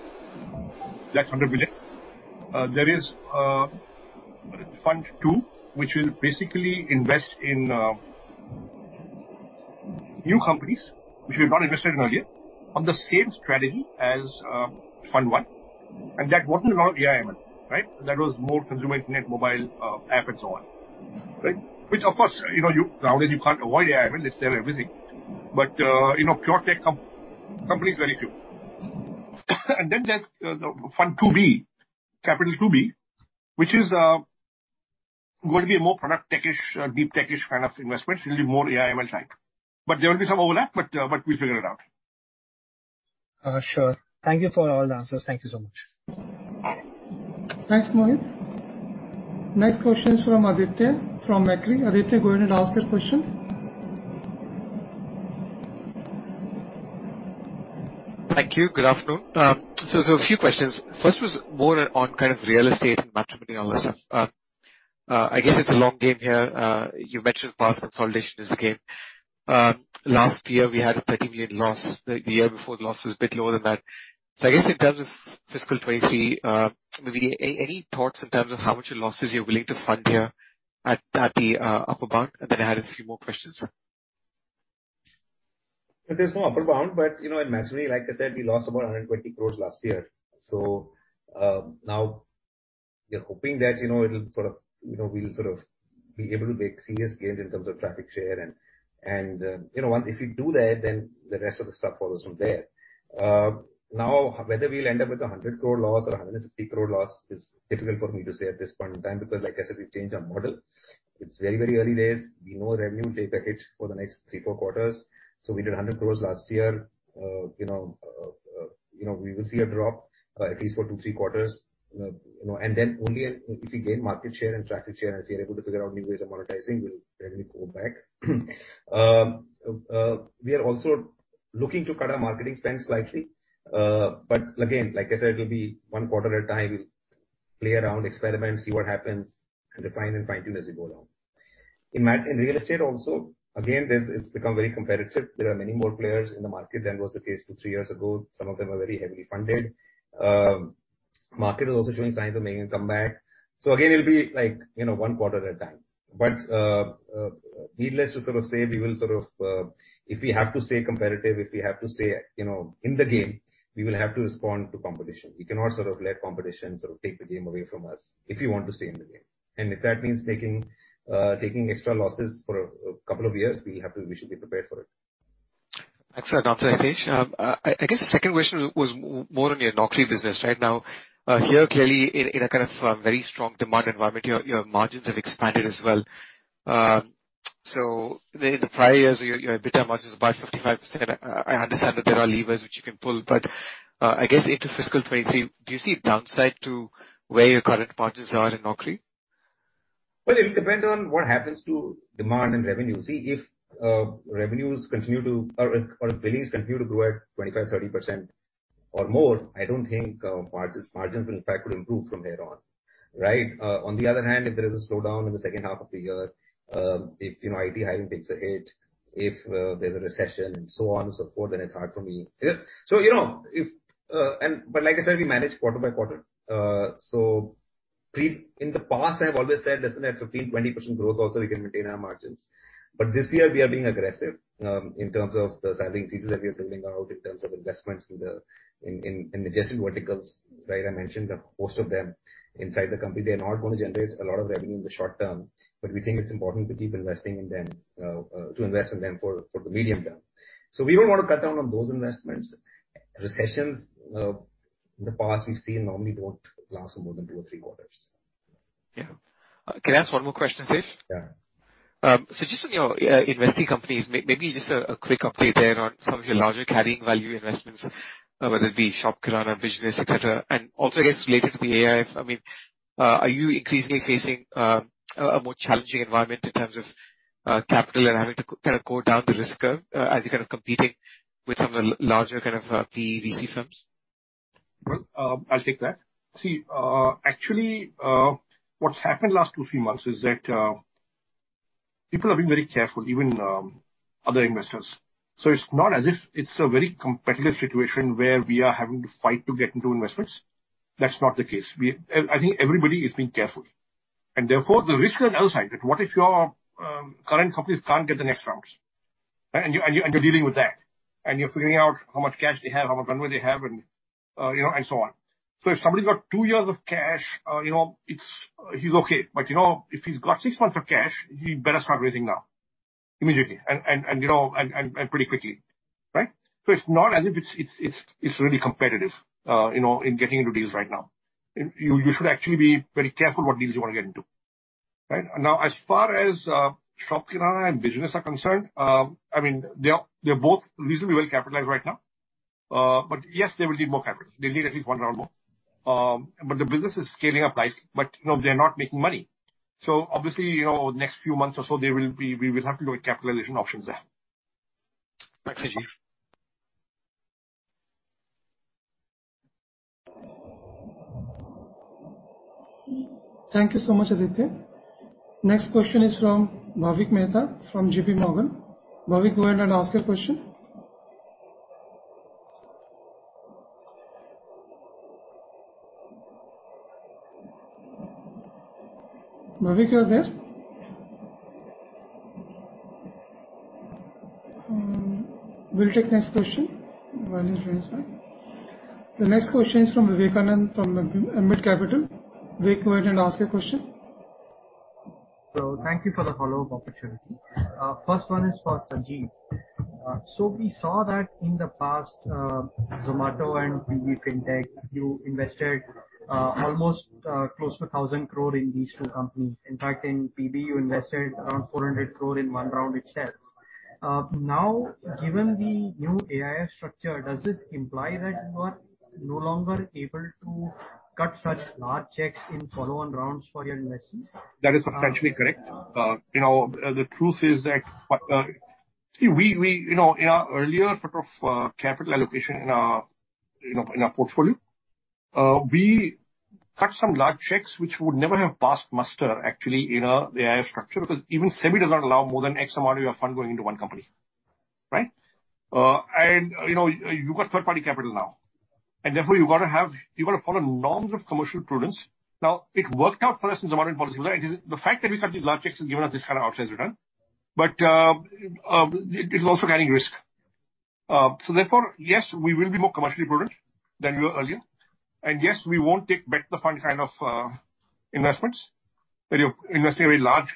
That's under building. There is fund two, which will basically invest in new companies which we've not invested in earlier on the same strategy as fund one, and that wasn't around AI, ML, right? That was more consumer internet, mobile app and so on. Right? Which of course, you know, nowadays you can't avoid AI, ML, it's there everything. But you know, pure tech companies, very few. Then there's the fund two B, capital two B, which is going to be a more product tech-ish, deep tech-ish kind of investment. It'll be more AI, ML like. But there will be some overlap, but we'll figure it out. Sure. Thank you for all the answers. Thank you so much. Thanks, Mohit. Next question is from Aditya from Macquarie. Aditya, go ahead and ask your question. Thank you. Good afternoon. A few questions. First was more on kind of real estate and matrimony and all that stuff. I guess it's a long game here. You mentioned past consolidation is the game. Last year we had a 30 million loss. The year before the loss was a bit lower than that. I guess in terms of fiscal 2023, maybe any thoughts in terms of how much losses you're willing to fund here at the upper bound? And then I had a few more questions. There's no upper bound, but you know, in matrimony, like I said, we lost about 120 crore last year. Now we are hoping that, you know, it'll sort of, you know, we'll sort of be able to make serious gains in terms of traffic share and, you know, if we do that, then the rest of the stuff follows from there. Now whether we'll end up with an 100 crore loss or an 150 crore loss is difficult for me to say at this point in time, because like I said, we've changed our model. It's very, very early days. We know revenue will take a hit for the next three to fourquarters. We did 100 crore last year. You know, we will see a drop, at least for two to three quarters. You know, only if we gain market share and traffic share, and if we are able to figure out new ways of monetizing, we'll definitely pull back. We are also looking to cut our marketing spend slightly. Again, like I said, it'll be one quarter at a time. Play around, experiment, see what happens, and refine and fine-tune as we go along. In real estate also, again, it's become very competitive. There are many more players in the market than was the case two to three years ago. Some of them are very heavily funded. Market is also showing signs of making a comeback. Again, it'll be like, one quarter at a time. Needless to say, we will sort of, if we have to stay competitive, if we have to stay, in the game, we will have to respond to competition. We cannot sort of let competition sort of take the game away from us, if we want to stay in the game. If that means taking extra losses for a couple of years, we have to, we should be prepared for it. Excellent answer, Hitesh. I guess the second question was more on your Naukri business right now. Here, clearly in a kind of very strong demand environment, your margins have expanded as well. So the prior years, your EBITDA margin was about 55%. I understand that there are levers which you can pull, but I guess into fiscal 2023, do you see a downside to where your current margins are in Naukri? Well, it'll depend on what happens to demand and revenue. See if revenues continue to or billings continue to grow at 25%-30% or more, I don't think margins will in fact improve from there on, right? On the other hand, if there is a slowdown in the second half of the year, if IT hiring takes a hit, if there's a recession and so on and so forth, then it's hard for me. Yeah. You know, but like I said, we manage quarter by quarter. In the past, I've always said less than at 15%-20% growth also we can maintain our margins. This year we are being aggressive in terms of the staffing features that we are building out, in terms of investments in adjacent verticals, right? I mentioned that most of them inside the company, they are not gonna generate a lot of revenue in the short term, but we think it's important to keep investing in them to invest in them for the medium term. We won't wanna cut down on those investments. Recessions in the past we've seen normally don't last for more than two or three quarters. Yeah. Can I ask one more question, Hitesh? Yeah. Just on your investing companies, maybe just a quick update there on some of your larger carrying value investments, whether it be ShopKirana, Bizom, etc. Also, I guess related to the AIF, I mean, are you increasingly facing a more challenging environment in terms of capital and having to kind of go down the risk curve, as you're kind of competing with some of the larger kind of PE/VC firms? Well, I'll take that. See, actually, what's happened last two to three months is that, people are being very careful, even, other investors. It's not as if it's a very competitive situation where we are having to fight to get into investments. That's not the case. I think everybody is being careful. Therefore, the risk is on the other side, that what if your current companies can't get the next rounds, and you're dealing with that, and you're figuring out how much cash they have, how much runway they have and, you know, and so on. If somebody's got two years of cash, you know, it's, he's okay. But, you know, if he's got six months of cash, he better start raising now, immediately and, you know, pretty quickly, right? It's not as if it's really competitive, you know, in getting into deals right now. You should actually be very careful what deals you wanna get into, right? Now, as far as ShopKirana and Bizom are concerned, I mean, they're both reasonably well capitalized right now. But yes, they will need more capital. They'll need at least one round more. The business is scaling up nicely, but you know, they're not making money. Obviously, you know, next few months or so, they will be, we will have to look at capitalization options there. Thanks, Hitesh. Thank you so much, Aditya. Next question is from Bhavik Mehta from JPMorgan. Bhavik, go ahead and ask your question. Bhavik, you're there? We'll take next question while he joins back. The next question is from Vivekanand from Ambit Capital. Vivek, go ahead and ask your question. Thank you for the follow-up opportunity. First one is for Sanjeev. We saw that in the past, Zomato and PB Fintech, you invested almost close to 1,000 crore in these two companies. In fact, in PB, you invested around 400 crore in one round itself. Now, given the new AIF structure, does this imply that you are no longer able to cut such large checks in follow-on rounds for your investments? That is potentially correct. You know, the truth is that, see, we you know, in our earlier sort of capital allocation in our, you know, in our portfolio, we cut some large checks which would never have passed muster actually in the AIF structure, because even SEBI does not allow more than X amount of your fund going into one company, right? You know, you've got third-party capital now, and therefore you've gotta follow norms of commercial prudence. Now, it worked out for us in Zomato and Policybazaar. The fact that we cut these large checks has given us this kind of outsized return. It is also carrying risk. Therefore, yes, we will be more commercially prudent than we were earlier. Yes, we won't take back the fund kind of investments, where you invest a very large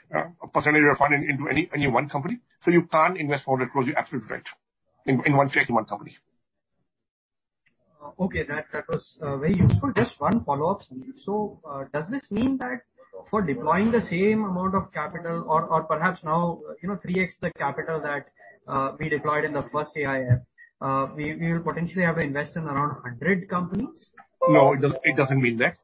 percentage of your fund into any one company. You can't invest INR 400 crore, you're absolutely right, in one check in one company. That was very useful. Just one follow-up, Sanjeev. Does this mean that for deploying the same amount of capital or perhaps now, 3x the capital that we deployed in the first AIF, we will potentially have to invest in around 100 companies? No, it doesn't mean that.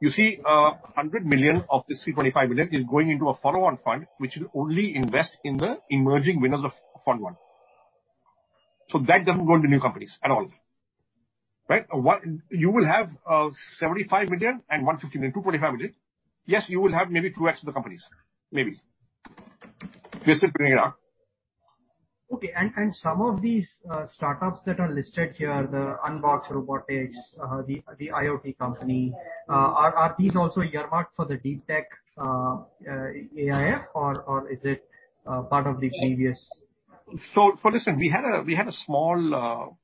You see, 100 million of this 325 million is going into a follow-on fund, which will only invest in the emerging winners of fund one. That doesn't go into new companies at all. Right? What you will have, 75 million and 150 million, 245 million. Yes, you will have maybe 2x the companies. Maybe. We're still figuring it out. Okay. Some of these startups that are listed here, the Unbox Robotics, the IoT company, are these also earmarked for the deep tech AIF or is it part of the previous? Listen, we had a small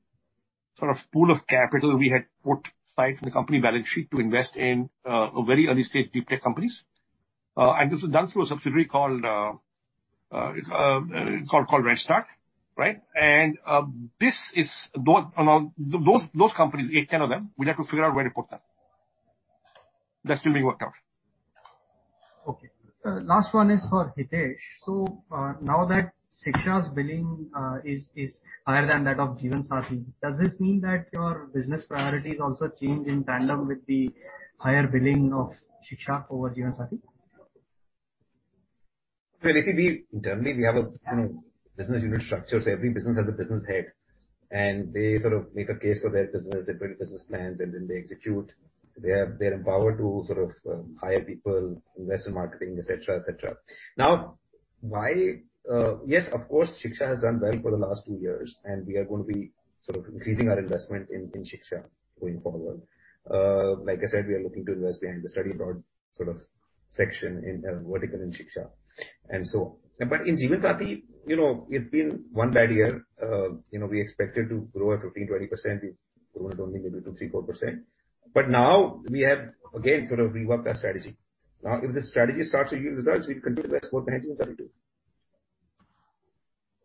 sort of pool of capital we had put aside from the company balance sheet to invest in very early-stage deep tech companies. This was done through a subsidiary called Redstart, right? This is brought along those companies, eight to 10 of them. We'll have to figure out where to put them. That's still being worked out. Okay. Last one is for Hitesh. Now that Shiksha's billing is higher than that of Jeevansathi, does this mean that your business priorities also change in tandem with the higher billing of Shiksha over Jeevansathi? Well, you see, we internally have a, you know, business unit structure, so every business has a business head. They sort of make a case for their business, they build business plans, and then they execute. They are, they're empowered to sort of hire people, invest in marketing, et cetera, et cetera. Yes, of course, Shiksha has done well for the last two years, and we are going to be sort of increasing our investment in Shiksha going forward. Like I said, we are looking to invest in the study abroad sort of section in vertical in Shiksha, and so on. In Jeevansathi, you know, it's been one bad year. You know, we expected to grow at 15%-20%. We've grown it only maybe 2%-4%. Now we have, again, sort of reworked our strategy. Now, if this strategy starts to yield results, we'll continue to invest both in 1872.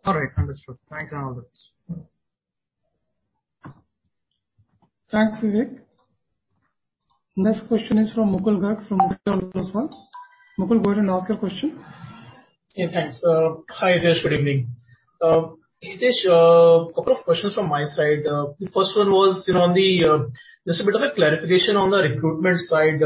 All right. Understood. Thanks, and all the best. Mm-hmm. Thanks, Vivek. Next question is from Mukul Garg from Motilal Oswal. Mukul, go ahead and ask your question. Yeah, thanks. Hi Hitesh. Good evening. Hitesh, a couple of questions from my side. The first one was, you know, just a bit of a clarification on the recruitment side.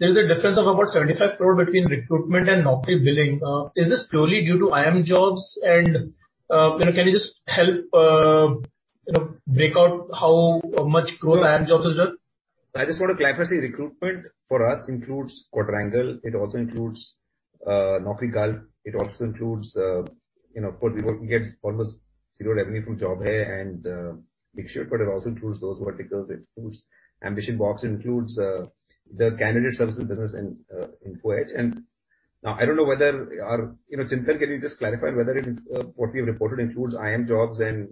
There is a difference of about 75 crore between recruitment and Naukri billing. Is this purely due to IIMJobs? And, you know, can you just help, you know, break out how much growth IIMJobs has done? I just want to clarify, see, recruitment for us includes Quadrangle. It also includes NaukriGulf. It also includes, you know, portals working gets almost zero revenue from Job Hai and Makesense, but it also includes those verticals. It includes AmbitionBox, it includes the candidate services business in HR. Now I don't know whether our... You know, Chintan, can you just clarify whether what we have reported includes IIMJobs and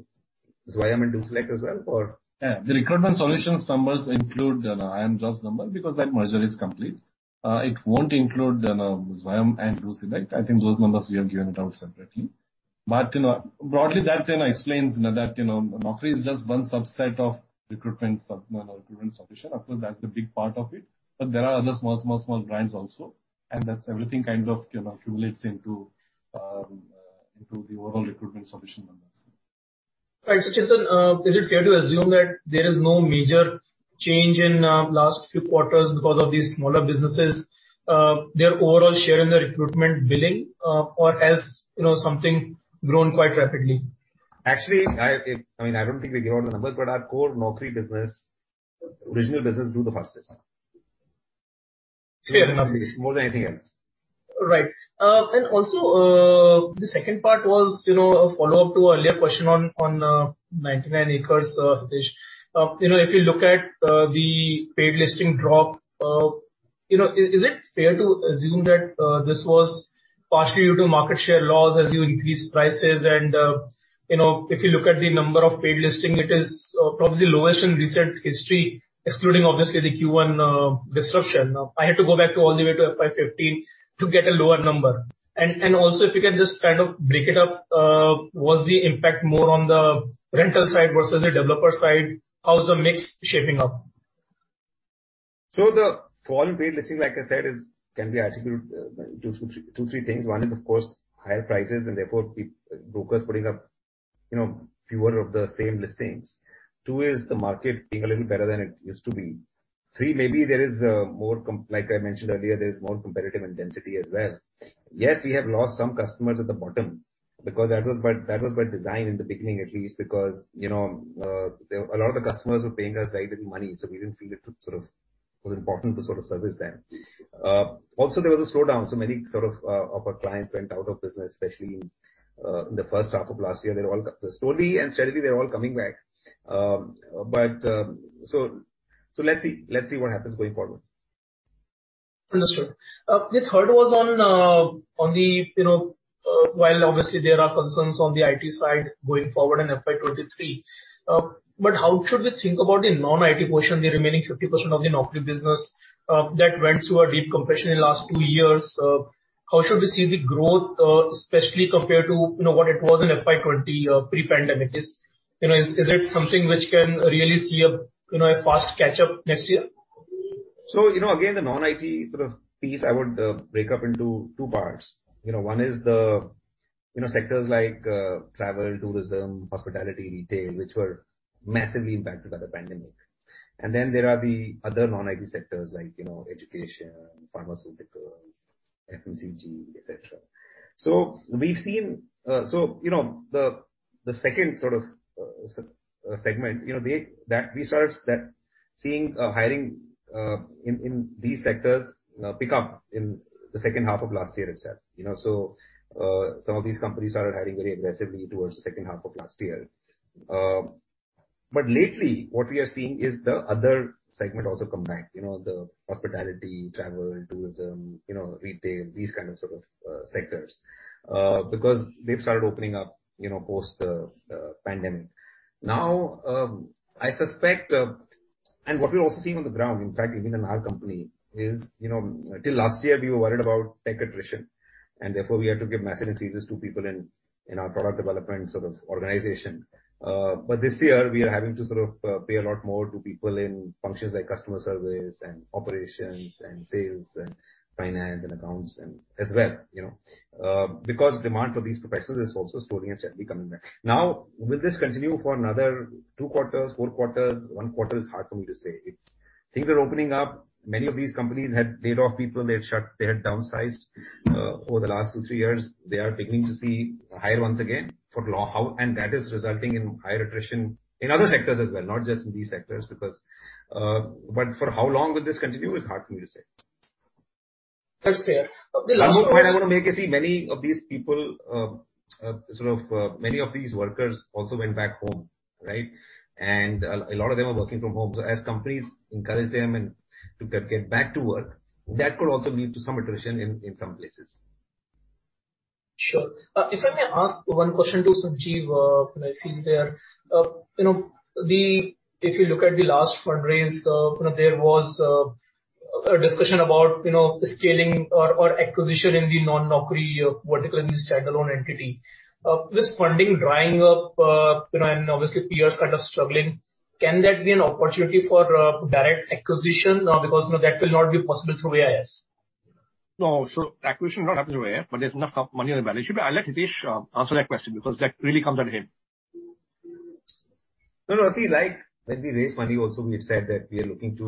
Zwayam and DoSelect as well or? Yeah. The recruitment solutions numbers include, you know, IIMJobs number because that merger is complete. It won't include, you know, Zwayam and DoSelect. I think those numbers we have given it out separately. But, you know, broadly that then explains that, you know, Naukri is just one subset of recruitment solution. Of course, that's the big part of it. But there are other small brands also. That's everything kind of, you know, accumulates into the overall recruitment solution numbers. Right. Chintan, is it fair to assume that there is no major change in last few quarters because of these smaller businesses, their overall share in the recruitment billing, or has, you know, something grown quite rapidly? Actually, I mean, I don't think we gave out the numbers, but our core Naukri business, original business grew the fastest. Fair. More than anything else. Right. The second part was, you know, a follow-up to earlier question on 99acres, Hitesh. You know, if you look at the paid listing drop, you know, is it fair to assume that this was partially due to market share loss as you increased prices and, you know, if you look at the number of paid listing, it is probably lowest in recent history, excluding obviously the Q1 disruption. I had to go back all the way to FY 2015 to get a lower number. If you can just kind of break it up, was the impact more on the rental side versus the developer side? How's the mix shaping up? The fall in paid listings, like I said, can be attributed to two to three things. One is of course higher prices and therefore brokers putting up, you know, fewer of the same listings. Two is the market being a little better than it used to be. Three, maybe there is more, like I mentioned earlier, there's more competitive intensity as well. Yes, we have lost some customers at the bottom because that was by design in the beginning at least because, you know, there a lot of the customers were paying us very little money, so we didn't feel it sort of was important to sort of service them. Also there was a slowdown, so many sort of of our clients went out of business, especially in the first half of last year. They're all slowly and steadily, they're all coming back. Let's see what happens going forward. Understood. The third was on the, you know, while obviously there are concerns on the IT side going forward in FY 2023, but how should we think about the non-IT portion, the remaining 50% of the Naukri business, that went through a deep compression in the last two years? How should we see the growth, especially compared to, you know, what it was in FY 2020 pre-pandemic? Is it something which can really see a fast catch-up next year? You know, again, the non-IT sort of piece I would break up into two parts. You know, one is the sectors like travel, tourism, hospitality, retail, which were massively impacted by the pandemic. Then there are the other non-IT sectors, like, education, pharmaceuticals, FMCG, et cetera. We've seen the second sort of segment that we started seeing hiring in these sectors pick up in the second half of last year itself, you know. Some of these companies started hiring very aggressively towards the second half of last year. Lately what we are seeing is the other segment also come back. You know, the hospitality, travel, tourism, you know, retail, these kind of sort of sectors, because they've started opening up, you know, post the pandemic. Now, I suspect and what we're also seeing on the ground, in fact, even in our company is, you know, till last year we were worried about tech attrition, and therefore we had to give massive increases to people in our product development sort of organization. This year we are having to sort of pay a lot more to people in functions like customer service and operations and sales and finance and accounts and as well, you know. Because demand for these professionals is also slowly and steadily coming back. Now, will this continue for another two to four quarters, one quarter? It's hard for me to say. Things are opening up. Many of these companies had laid off people. They had downsized over the last two to three years. They are beginning to see hiring once again for now. That is resulting in higher attrition in other sectors as well, not just in these sectors. For how long will this continue is hard for me to say. That's fair. The last one. One more point I wanna make is, see, many of these workers also went back home, right? A lot of them are working from home. As companies encourage them and to get back to work, that could also lead to some attrition in some places. Sure. If I may ask one question to Sanjeev, if he's there. You know, if you look at the last fundraise, you know, there was a discussion about, you know, scaling or acquisition in the non-Naukri vertical in the standalone entity. With funding drying up, you know, and obviously peers kind of struggling, can that be an opportunity for direct acquisition? Because, you know, that will not be possible through Aisle. No. Acquisition will not happen through Aisle, but there's enough money on the balance sheet. I'll let Hitesh answer that question because that really comes at him. No, no. See, like when we raised money also we have said that we are looking to,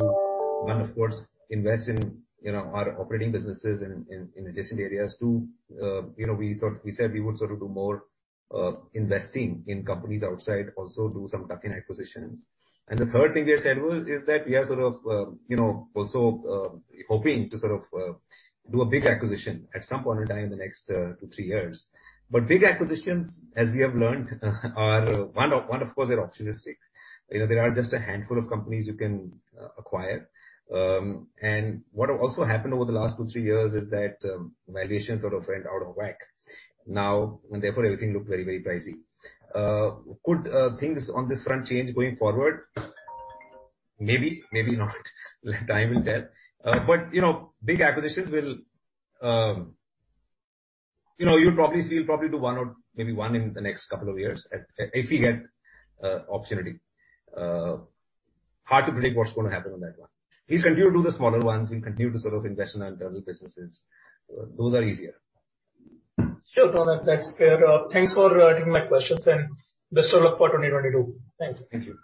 one, of course invest in, you know, our operating businesses in adjacent areas. Two, you know, we said we would sort of do more investing in companies outside, also do some tuck-in acquisitions. The third thing we have said is that we are sort of, you know, also hoping to sort of do a big acquisition at some point in time in the next two to three years. Big acquisitions, as we have learned, are one, of course, they're opportunistic. You know, there are just a handful of companies you can acquire. What also happened over the last two to three years is that valuations sort of went out of whack. Now, therefore everything looked very, very pricey. Could things on this front change going forward? Maybe, maybe not. Only time will tell. You know, big acquisitions will. You know, you'll probably see, we'll probably do one or maybe one in the next couple of years at, if we get opportunity. Hard to predict what's gonna happen on that one. We'll continue to do the smaller ones and continue to sort of invest in our internal businesses. Those are easier. Sure. No, no, that's clear. Thanks for taking my questions, and best of luck for 2022. Thank you. Thank you.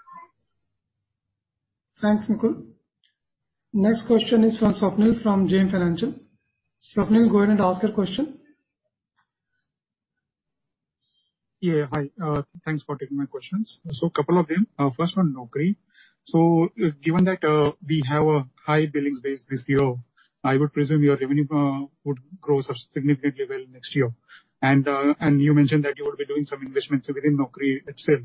Thanks, Mukul Garg. Next question is from Swapnil from JM Financial. Swapnil, go ahead and ask your question. Yeah. Hi. Thanks for taking my questions. Couple of them. First one Naukri. Given that we have a high billings base this year, I would presume your revenue would grow significantly well next year. You mentioned that you would be doing some investments within Naukri itself.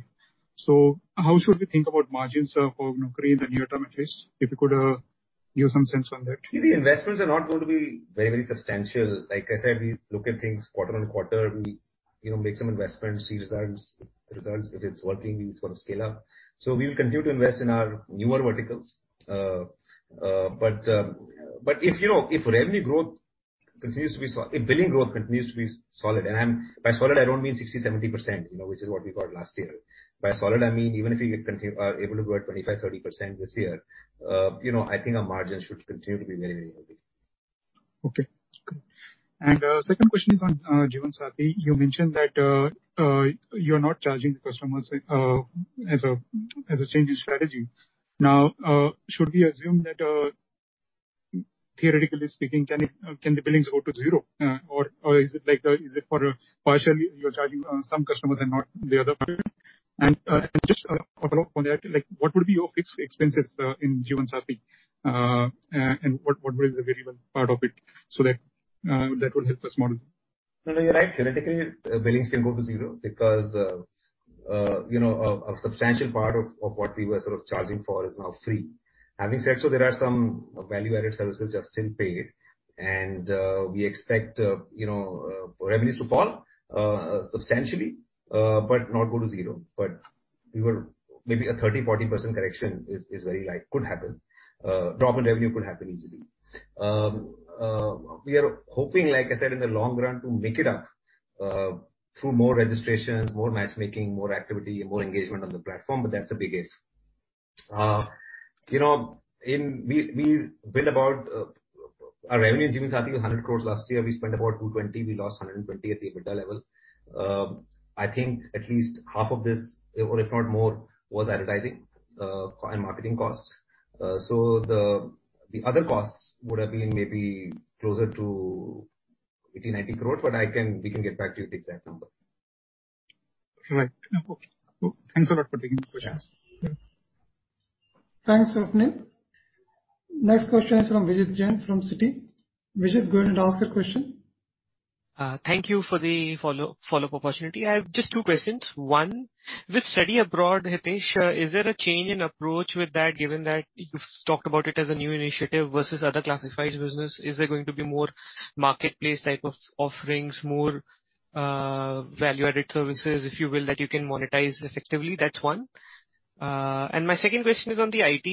How should we think about margins for Naukri in the near term, at least? If you could give some sense on that. The investments are not going to be very, very substantial. Like I said, we look at things quarter-on-quarter. We make some investments, see results. If it's working, we sort of scale up. We will continue to invest in our newer verticals. If billing growth continues to be solid, and I'm by solid, I don't mean 60%-70%, which is what we got last year. By solid, I mean, even if we are able to grow at 25%-30% this year, I think our margins should continue to be very, very healthy. Okay. Second question is on Jeevansathi. You mentioned that you're not charging the customers as a change in strategy. Now, should we assume that theoretically speaking, can the billings go to zero? Or is it like is it that partially you're charging some customers and not the other party? Just a follow-up on that, like what would be your fixed expenses in Jeevansathi? And what will be the variable part of it? That would help us model. No, no, you're right. Theoretically, billings can go to zero because, you know, a substantial part of what we were sort of charging for is now free. Having said so, there are some value-added services that are still paid and we expect, you know, revenues to fall substantially, but not go to zero. Maybe a 30%-40% correction is very likely could happen. Drop in revenue could happen easily. We are hoping, like I said, in the long run, to make it up through more registrations, more matchmaking, more activity and more engagement on the platform, but that's a big if. You know, our revenue in Jeevansathi was 100 crore last year. We spent about 220 crore. We lost 120 crore at the EBITDA level. I think at least half of this, if not more, was advertising and marketing costs. The other costs would have been maybe closer to 80 crore-90 crore, but we can get back to you with the exact number. Right. Okay, cool. Thanks a lot for taking the questions. Yeah. Thanks, Swapnil. Next question is from Vijit Jain from Citi. Vijit, go ahead and ask your question. Thank you for the follow-up opportunity. I have just two questions. One, with Study Abroad, Hitesh, is there a change in approach with that, given that you've talked about it as a new initiative versus other classified business? Is there going to be more marketplace type of offerings, more value-added services, if you will, that you can monetize effectively? That's one. My second question is on the IT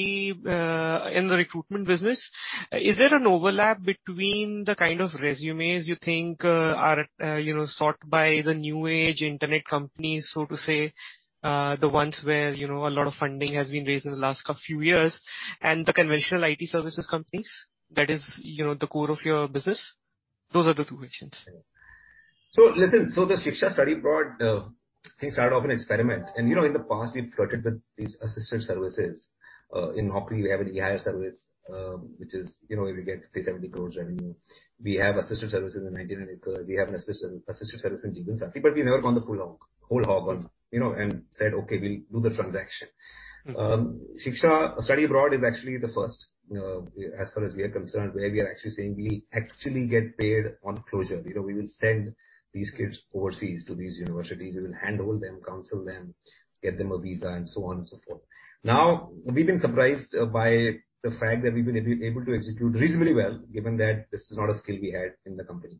in the recruitment business. Is there an overlap between the kind of resumes you think are you know sought by the New Age internet companies, so to say, the ones where you know a lot of funding has been raised in the last few years and the conventional IT services companies that is the core of your business? Those are the two questions. Listen, the Shiksha Study Abroad thing started off an experiment. You know, in the past, we've flirted with these assistant services. In Naukri, we have an AI service, which is, you know, we get 30 crore-70 crore revenue. We have an assistant service in 99acres. We have an assistant service in Jeevansathi, but we've never gone the full hog, whole hog on, you know, and said, "Okay, we'll do the transaction." Shiksha Study Abroad is actually the first, as far as we are concerned, where we are actually saying we actually get paid on closure. You know, we will send these kids overseas to these universities. We will handle them, counsel them, get them a visa and so on and so forth. Now, we've been surprised by the fact that we've been able to execute reasonably well, given that this is not a skill we had in the company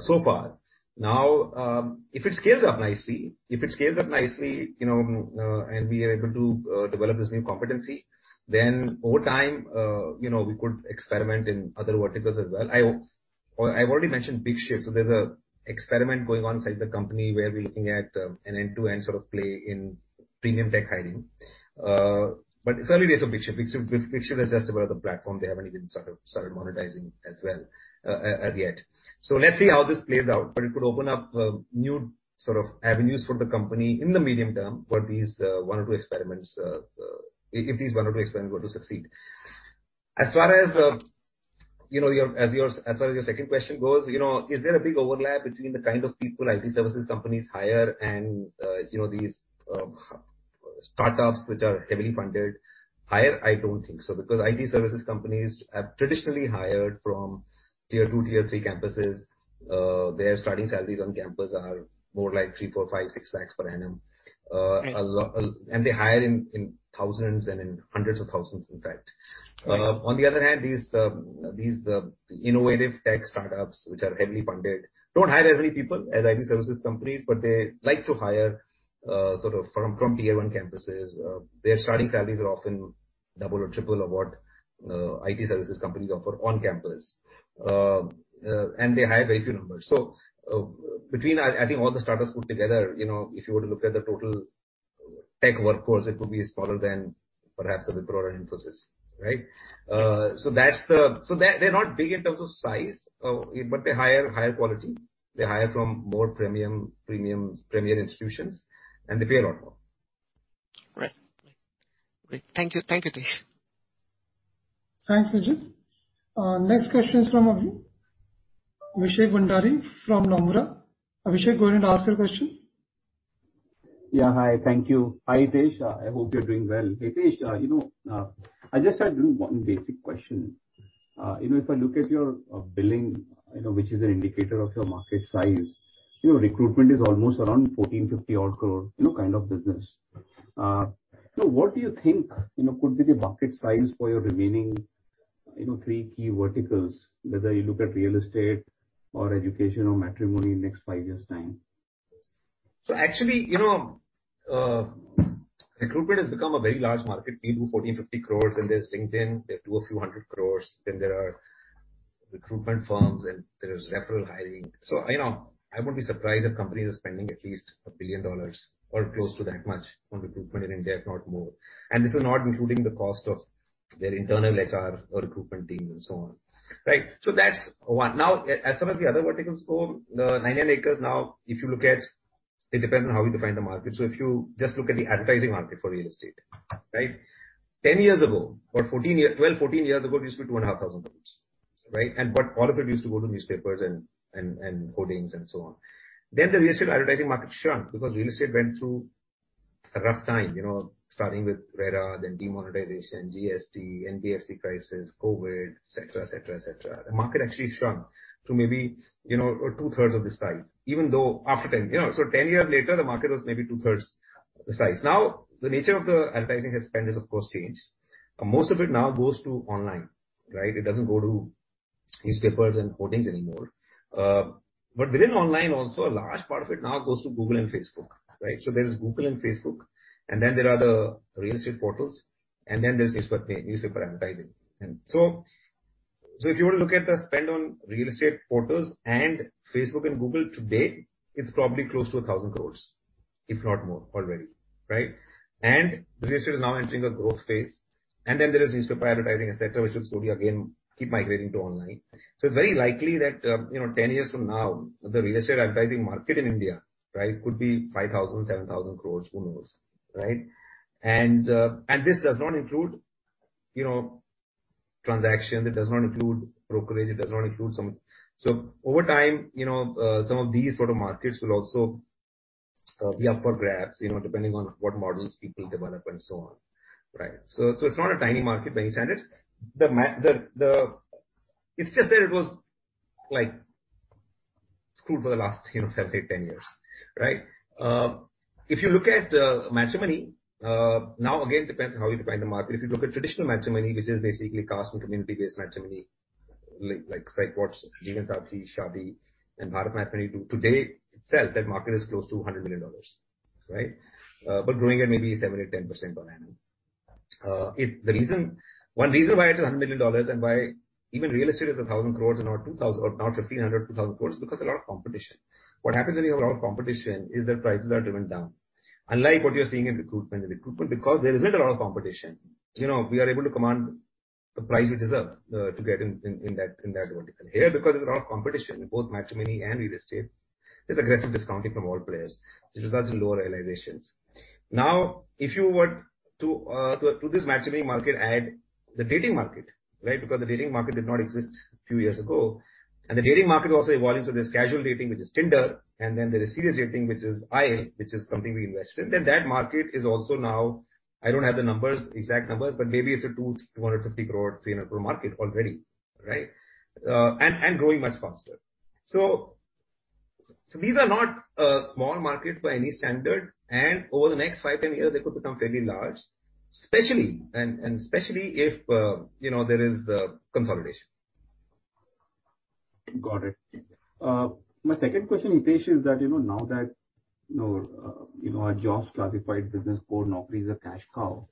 so far. Now, if it scales up nicely, you know, and we are able to develop this new competency, then over time, you know, we could experiment in other verticals as well. I've already mentioned BigShyft. There's an experiment going on inside the company where we're looking at an end-to-end sort of play in premium tech hiring. It's early days of BigShyft. BigShyft is just about the platform. They haven't even sort of started monetizing as well as yet. Let's see how this plays out, but it could open up new sort of avenues for the company in the medium term for these one or two experiments if these one to two experiments were to succeed. As far as your second question goes, you know, is there a big overlap between the kind of people IT services companies hire and you know these startups which are heavily funded hire? I don't think so, because IT services companies have traditionally hired from tier two, tier three campuses. Their starting salaries on campus are more like 3-6 lakhs per annum. Right. They hire in thousands and in hundreds of thousands, in fact. Right. On the other hand, these innovative tech startups, which are heavily funded, don't hire as many people as IT services companies, but they like to hire sort of from tier one campuses. Their starting salaries are often double or triple of what IT services companies offer on campus. They hire very few numbers. I think all the startups put together, you know, if you were to look at the total tech workforce, it would be smaller than perhaps a Wipro or Infosys, right? They're not big in terms of size, but they hire higher quality. They hire from more premium premier institutions, and they pay a lot more. Right. Great. Thank you, Hitesh. Thanks, Vijit. Next question is from Abhishek Bhandari from Nomura. Abhishek, go ahead and ask your question. Yeah, hi. Thank you. Hi, Hitesh. I hope you're doing well. Hitesh, I just had one basic question. You know, if I look at your billing, you know, which is an indicator of your market size, your recruitment is almost around 1,450 odd crore kind of business. What do you think, you know, could be the market size for your remaining, you know, three key verticals, whether you look at real estate or education or matrimony in next five years' time? Actually, you know, recruitment has become a very large market. We do 1,450 crore, and there's LinkedIn. They do INR a few hundred crores. Then there are recruitment firms, and there is referral hiring. You know, I wouldn't be surprised if companies are spending at least INR 1 billion or close to that much on recruitment in India, if not more. This is not including the cost of their internal HR or recruitment team and so on. Right. That's one. Now, as far as the other verticals go, 99acres now, if you look at, it depends on how you define the market. If you just look at the advertising market for real estate, right? Ten years ago or twelve, fourteen years ago, it used to be 2,500 crores rupees, right? All of it used to go to newspapers and hoardings and so on. The real estate advertising market shrunk because real estate went through a rough time, you know, starting with RERA, then demonetization, GST, NBFC crisis, COVID, etc. The market actually shrunk to maybe, you know, two-thirds of the size, even though after 10, you know, so 10 years later, the market was maybe two-thirds the size. Now, the nature of the advertising spend has of course changed. Most of it now goes to online, right? It doesn't go to newspapers and hoardings anymore. Within online also, a large part of it now goes to Google and Facebook, right? There's Google and Facebook, and then there are the real estate portals, and then there's newspaper advertising. If you were to look at the spend on real estate portals and Facebook and Google today, it's probably close to 1,000 crore, if not more already, right? Real estate is now entering a growth phase, and then there is newspaper advertising, et cetera, which will slowly again keep migrating to online. It's very likely that, you know, 10 years from now, the real estate advertising market in India, right, could be 5,000-7,000 crore. Who knows, right? This does not include, you know, transactions. It does not include brokerage. Over time, you know, some of these sort of markets will also be up for grabs, you know, depending on what models people develop and so on, right? It's not a tiny market by any standards. It's just that it was, like, screwed for the last, you know, seven, eight, 10 years, right? If you look at matrimony, now again, depends on how you define the market. If you look at traditional matrimony, which is basically caste and community-based matrimony, like, say, what's Jeevansathi, Shaadi and BharatMatrimony do today itself, that market is close to $100 million, right? But growing at maybe 7%-10% per annum. The reason, one reason why it's $100 million and why even real estate is 1,000 crore and not 2,000 crore or not 1,500 crore- INR 2,000 crore is because a lot of competition. What happens when you have a lot of competition is that prices are driven down. Unlike what you're seeing in recruitment. In recruitment, because there isn't a lot of competition, you know, we are able to command the price we deserve to get in that vertical. Here, because there's a lot of competition in both matrimony and real estate, there's aggressive discounting from all players, which results in lower realizations. Now, if you were to add to this matrimony market the dating market, right? Because the dating market did not exist a few years ago. The dating market also evolving. There's casual dating, which is Tinder, and then there is serious dating, which is Aisle, which is something we invest in. That market is also now, I don't have the numbers, exact numbers, but maybe it's an 250 crore-300 crore market already, right? Growing much faster. These are not small markets by any standard. Over the next five-10 years, they could become fairly large, especially if you know there is consolidation. Got it. My second question, Hitesh, is that, you know, now that, you know, you know, our jobs classified business core Naukri is a cash cow,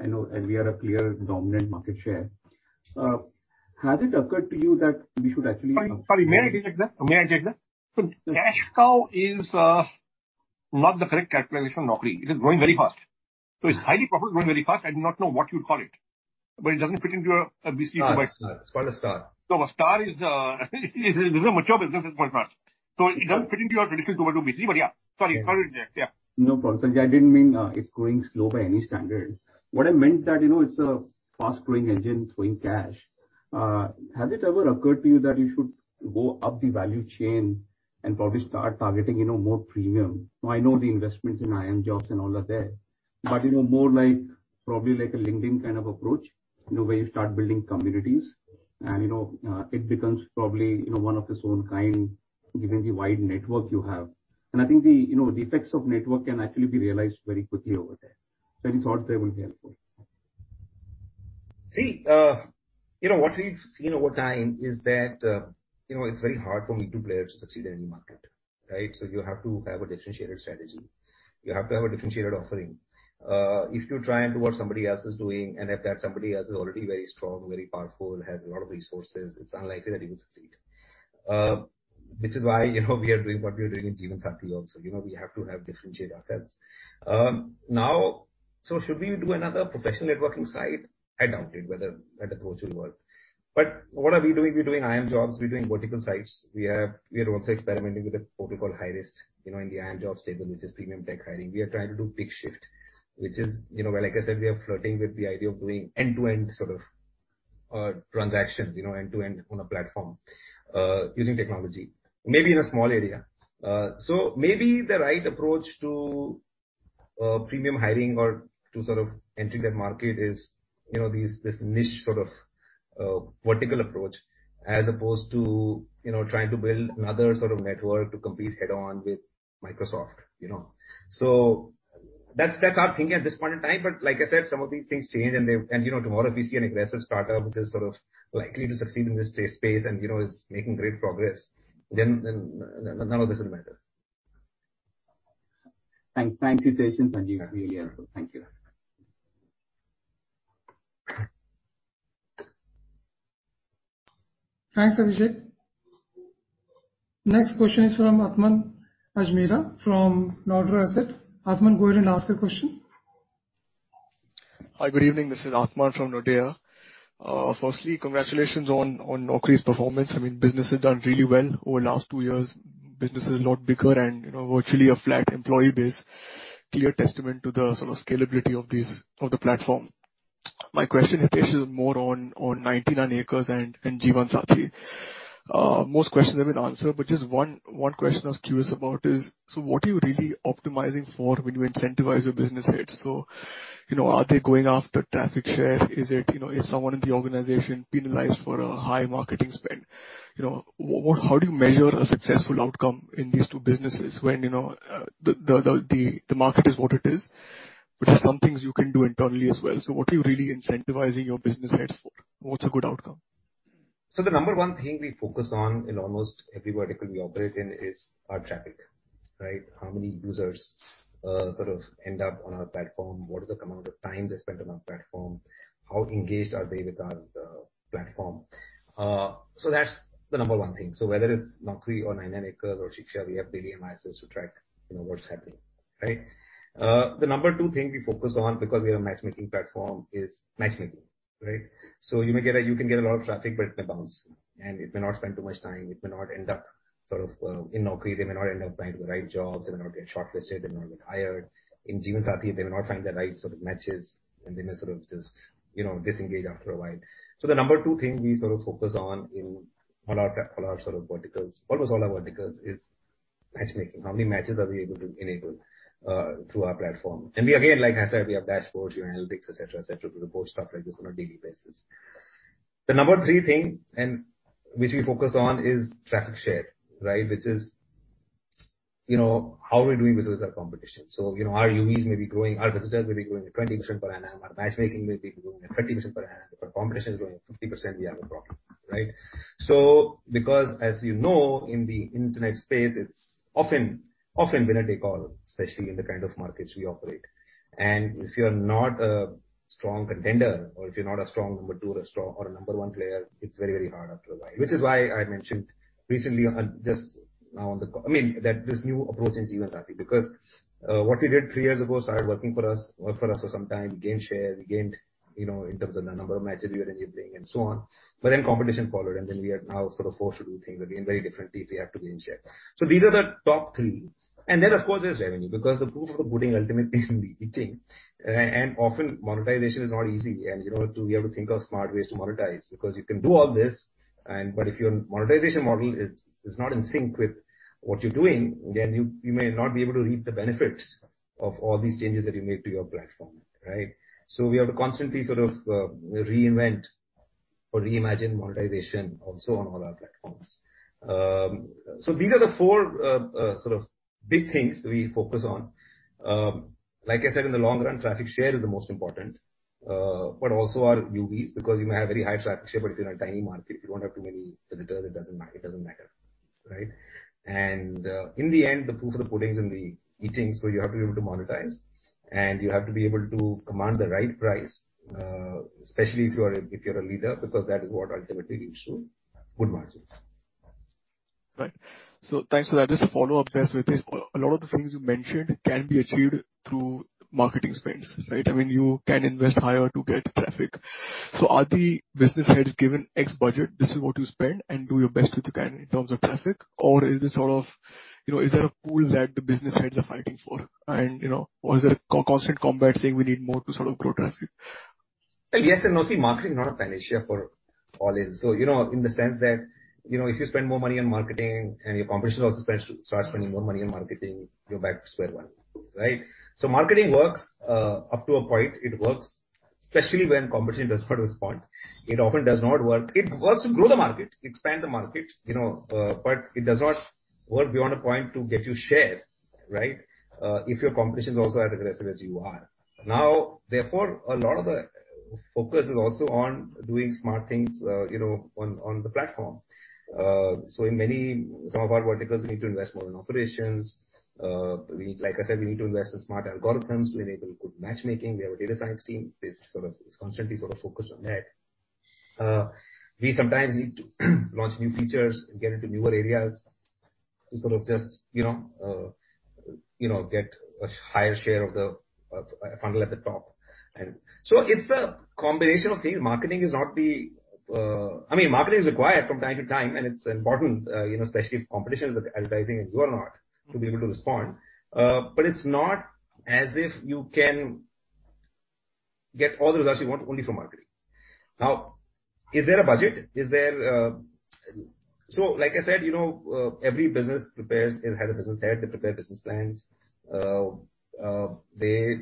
I know, and we are a clear dominant market share. Has it occurred to you that we should actually- Sorry. May I take that? Yes. Cash cow is not the correct characterization of Naukri. It is growing very fast. It's highly profitable, growing very fast. I do not know what you'd call it, but it doesn't fit into a VC. Star. It's called a star. A star is a mature business at this point in time. It doesn't fit into your traditional 2×2 VC, but yeah. Sorry. Go ahead, yeah. No problem, Sanjeev. I didn't mean, it's growing slow by any standard. What I meant that, you know, it's a fast-growing engine throwing cash. Has it ever occurred to you that you should go up the value chain and probably start targeting, you know, more premium? Now, I know the investments in IIMJobs and all are there, but you know, more like probably like a LinkedIn kind of approach. You know, where you start building communities and, you know, it becomes probably, you know, one of its own kind, given the wide network you have. I think the, you know, the effects of network can actually be realized very quickly over there. Any thoughts there will be helpful. See, you know, what we've seen over time is that, you know, it's very hard for me to play or to succeed in any market, right? You have to have a differentiated strategy. You have to have a differentiated offering. If you try and do what somebody else is doing, and if that somebody else is already very strong, very powerful, anzd has a lot of resources, it's unlikely that you will succeed. Which is why, you know, we are doing what we are doing in Jeevansathi also. You know, we have to differentiate ourselves. Now, should we do another professional networking site? I doubt it, whether that approach will work. What are we doing? We're doing IIMJobs. We're doing vertical sites. We are also experimenting with a portal called Hirist. You know, in the IIMJobs stable, which is premium tech hiring. We are trying to do BigShyft, which is, you know, where, like I said, we are flirting with the idea of doing end-to-end sort of, transactions, you know, end-to-end on a platform, using technology, maybe in a small area. Maybe the right approach to, premium hiring or to sort of enter that market is, you know, this niche sort of, vertical approach, as opposed to, you know, trying to build another sort of network to compete head on with Microsoft, you know. That's our thinking at this point in time. Like I said, some of these things change and they. You know, tomorrow if you see an aggressive startup which is sort of likely to succeed in this startup space and, you know, is making great progress, then none of this will matter. Thank you, Hitesh and Sanjeev. Really helpful. Thank you. Thanks, Abhishek. Next question is from Aatman Ajmera, from Nordea Asset Management. Aatman, go ahead and ask your question. Hi, good evening. This is Aatman from Nordea. Firstly, congratulations on Naukri's performance. I mean, business has done really well over the last two years. Business is a lot bigger and, you know, virtually a flat employee base. Clear testament to the sort of scalability of these of the platform. My question, Hitesh, is more on 99acres and Jeevansathi. Most questions have been answered, but just one question I was curious about is, so what are you really optimizing for when you incentivize your business heads? You know, are they going after traffic share? Is it, you know, is someone in the organization penalized for a high marketing spend? You know, what, how do you measure a successful outcome in these two businesses when, you know, the market is what it is, but there's some things you can do internally as well. What are you really incentivizing your business heads for? What's a good outcome? The number one thing we focus on in almost every vertical we operate in is our traffic, right? How many users sort of end up on our platform? What is the amount of time they spend on our platform? How engaged are they with our platform? That's the number one thing. Whether it's Naukri or 99acres or Shiksha, we have daily analysis to track, you know, what's happening, right? The number two thing we focus on, because we are a matchmaking platform, is matchmaking, right? You can get a lot of traffic, but it may bounce and it may not spend too much time. It may not end up sort of in Naukri, they may not end up applying to the right jobs. They may not get shortlisted. They may not get hired. In Jeevansathi, they may not find the right sort of matches, and they may sort of just, you know, disengage after a while. The number two thing we sort of focus on in all our sort of verticals, almost all our verticals, is matchmaking. How many matches are we able to enable through our platform? We again, like I said, we have dashboards, we have analytics, et cetera, to report stuff like this on a daily basis. The number three thing which we focus on is traffic share, right? Which is, you know, how are we doing versus our competition. Our UVs may be growing, our visitors may be growing at 20% per annum. Our matchmaking may be growing at 30% per annum. If our competition is growing at 50%, we have a problem, right? Because as you know, in the internet space, it's often win or take all, especially in the kind of markets we operate. If you're not a strong contender or if you're not a strong number two or a strong or a number one player, it's very hard after a while. Which is why I mentioned recently on just now on the call. I mean, that this new approach in Jeevansathi, because what we did three years ago started working for us, worked for us for some time. We gained share. We gained, you know, in terms of the number of matches we were enabling and so on. But then competition followed, and then we are now sort of forced to do things again very differently if we have to gain share. These are the top three. Of course there's revenue, because the proof of the pudding ultimately is in the eating. Often monetization is not easy. You know, we have to think of smart ways to monetize because you can do all this but if your monetization model is not in sync with what you're doing, then you may not be able to reap the benefits of all these changes that you make to your platform, right? We have to constantly sort of reinvent or reimagine monetization also on all our platforms. These are the four sort of big things we focus on. Like I said, in the long run, traffic share is the most important, but also our UVs because you may have very high traffic share, but if you're in a tiny market, if you don't have too many visitors, it doesn't matter, right? In the end, the proof of the pudding is in the eating, so you have to be able to monetize and you have to be able to command the right price, especially if you're a leader, because that is what ultimately leads to good margins. Right. Thanks for that. Just a follow-up there, Hitesh. A lot of the things you mentioned can be achieved through marketing spends, right? I mean, you can invest higher to get traffic. Are the business heads given X budget, this is what you spend and do your best with the kind in terms of traffic? Or is this sort of, you know, is there a pool that the business heads are fighting for and, you know, or is there a constant combat saying we need more to sort of grow traffic? Yes and no. See, marketing is not a panacea for all this. You know, in the sense that, you know, if you spend more money on marketing and your competition also starts spending more money on marketing, you're back to square one, right? Marketing works up to a point. It works, especially when competition does not respond. It often does not work. It works to grow the market, expand the market, you know, but it does not work beyond a point to get your share, right? If your competition is also as aggressive as you are. Now, therefore, a lot of the focus is also on doing smart things, you know, on the platform. In some of our verticals, we need to invest more in operations. We need, like I said, we need to invest in smart algorithms to enable good matchmaking. We have a data science team which sort of is constantly sort of focused on that. We sometimes need to launch new features and get into newer areas to sort of just, you know, get a higher share of the funnel at the top. It's a combination of things. Marketing is not the, I mean, marketing is required from time to time, and it's important, you know, especially if competition is advertising and you are not, to be able to respond. It's not as if you can get all the results you want only from marketing. Now, is there a budget? Is there, like I said, you know, every business prepares. It has a business head. They prepare business plans. They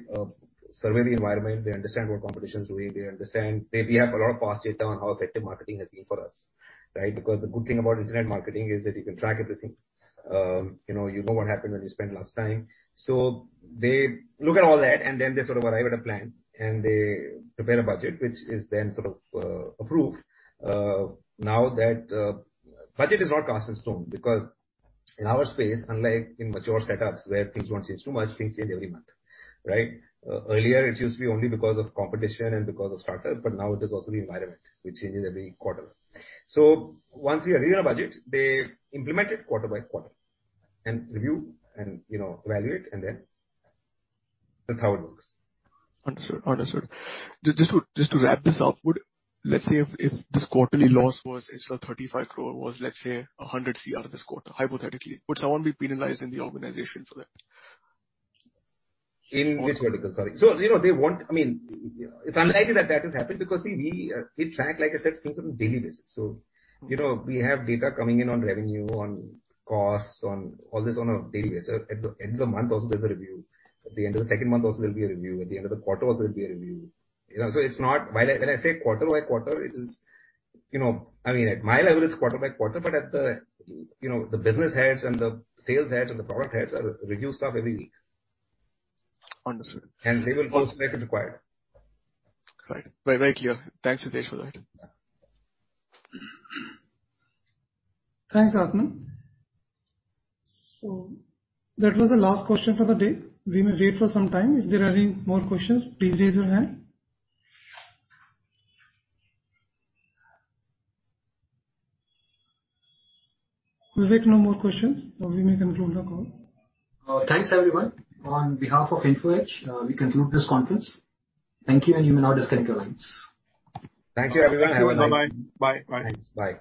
survey the environment. They understand what competition is doing. We have a lot of past data on how effective marketing has been for us, right? Because the good thing about internet marketing is that you can track everything. You know what happened when you spent last time. They look at all that, and then they sort of arrive at a plan, and they prepare a budget, which is then sort of approved. Now that budget is not cast in stone because in our space, unlike in mature setups where things don't change too much, things change every month, right? Earlier it used to be only because of competition and because of startups, but now it is also the environment which changes every quarter. Once we agree on a budget, they implement it quarter by quarter and review and, you know, evaluate and then. That's how it works. Understood. Just to wrap this up, would let's say if this quarterly loss was instead of 35 crore, let's say, 100 crore this quarter, hypothetically, would someone be penalized in the organization for that? In which vertical? Sorry. You know, they won't. I mean, it's unlikely that that has happened because, see, we track, like I said, things on a daily basis. You know, we have data coming in on revenue, on costs, on all this on a daily basis. At the end of the month also there's a review. At the end of the second month also there'll be a review. At the end of the quarter also there'll be a review. You know, it's not. When I say quarter by quarter, it is, you know, I mean, at my level it's quarter by quarter, but at the, you know, the business heads and the sales heads and the product heads review stuff every week. Understood. They will course correct if required. Right. Very clear. Thanks, Hitesh, for that. Thanks, Aatman. That was the last question for the day. We may wait for some time. If there are any more questions, please raise your hand. Vivek, no more questions, so we may conclude the call. Thanks, everyone. On behalf of Info Edge, we conclude this conference. Thank you, and you may now disconnect your lines. Thank you, everyone. Thank you. Bye-bye. Bye. Thanks. Bye.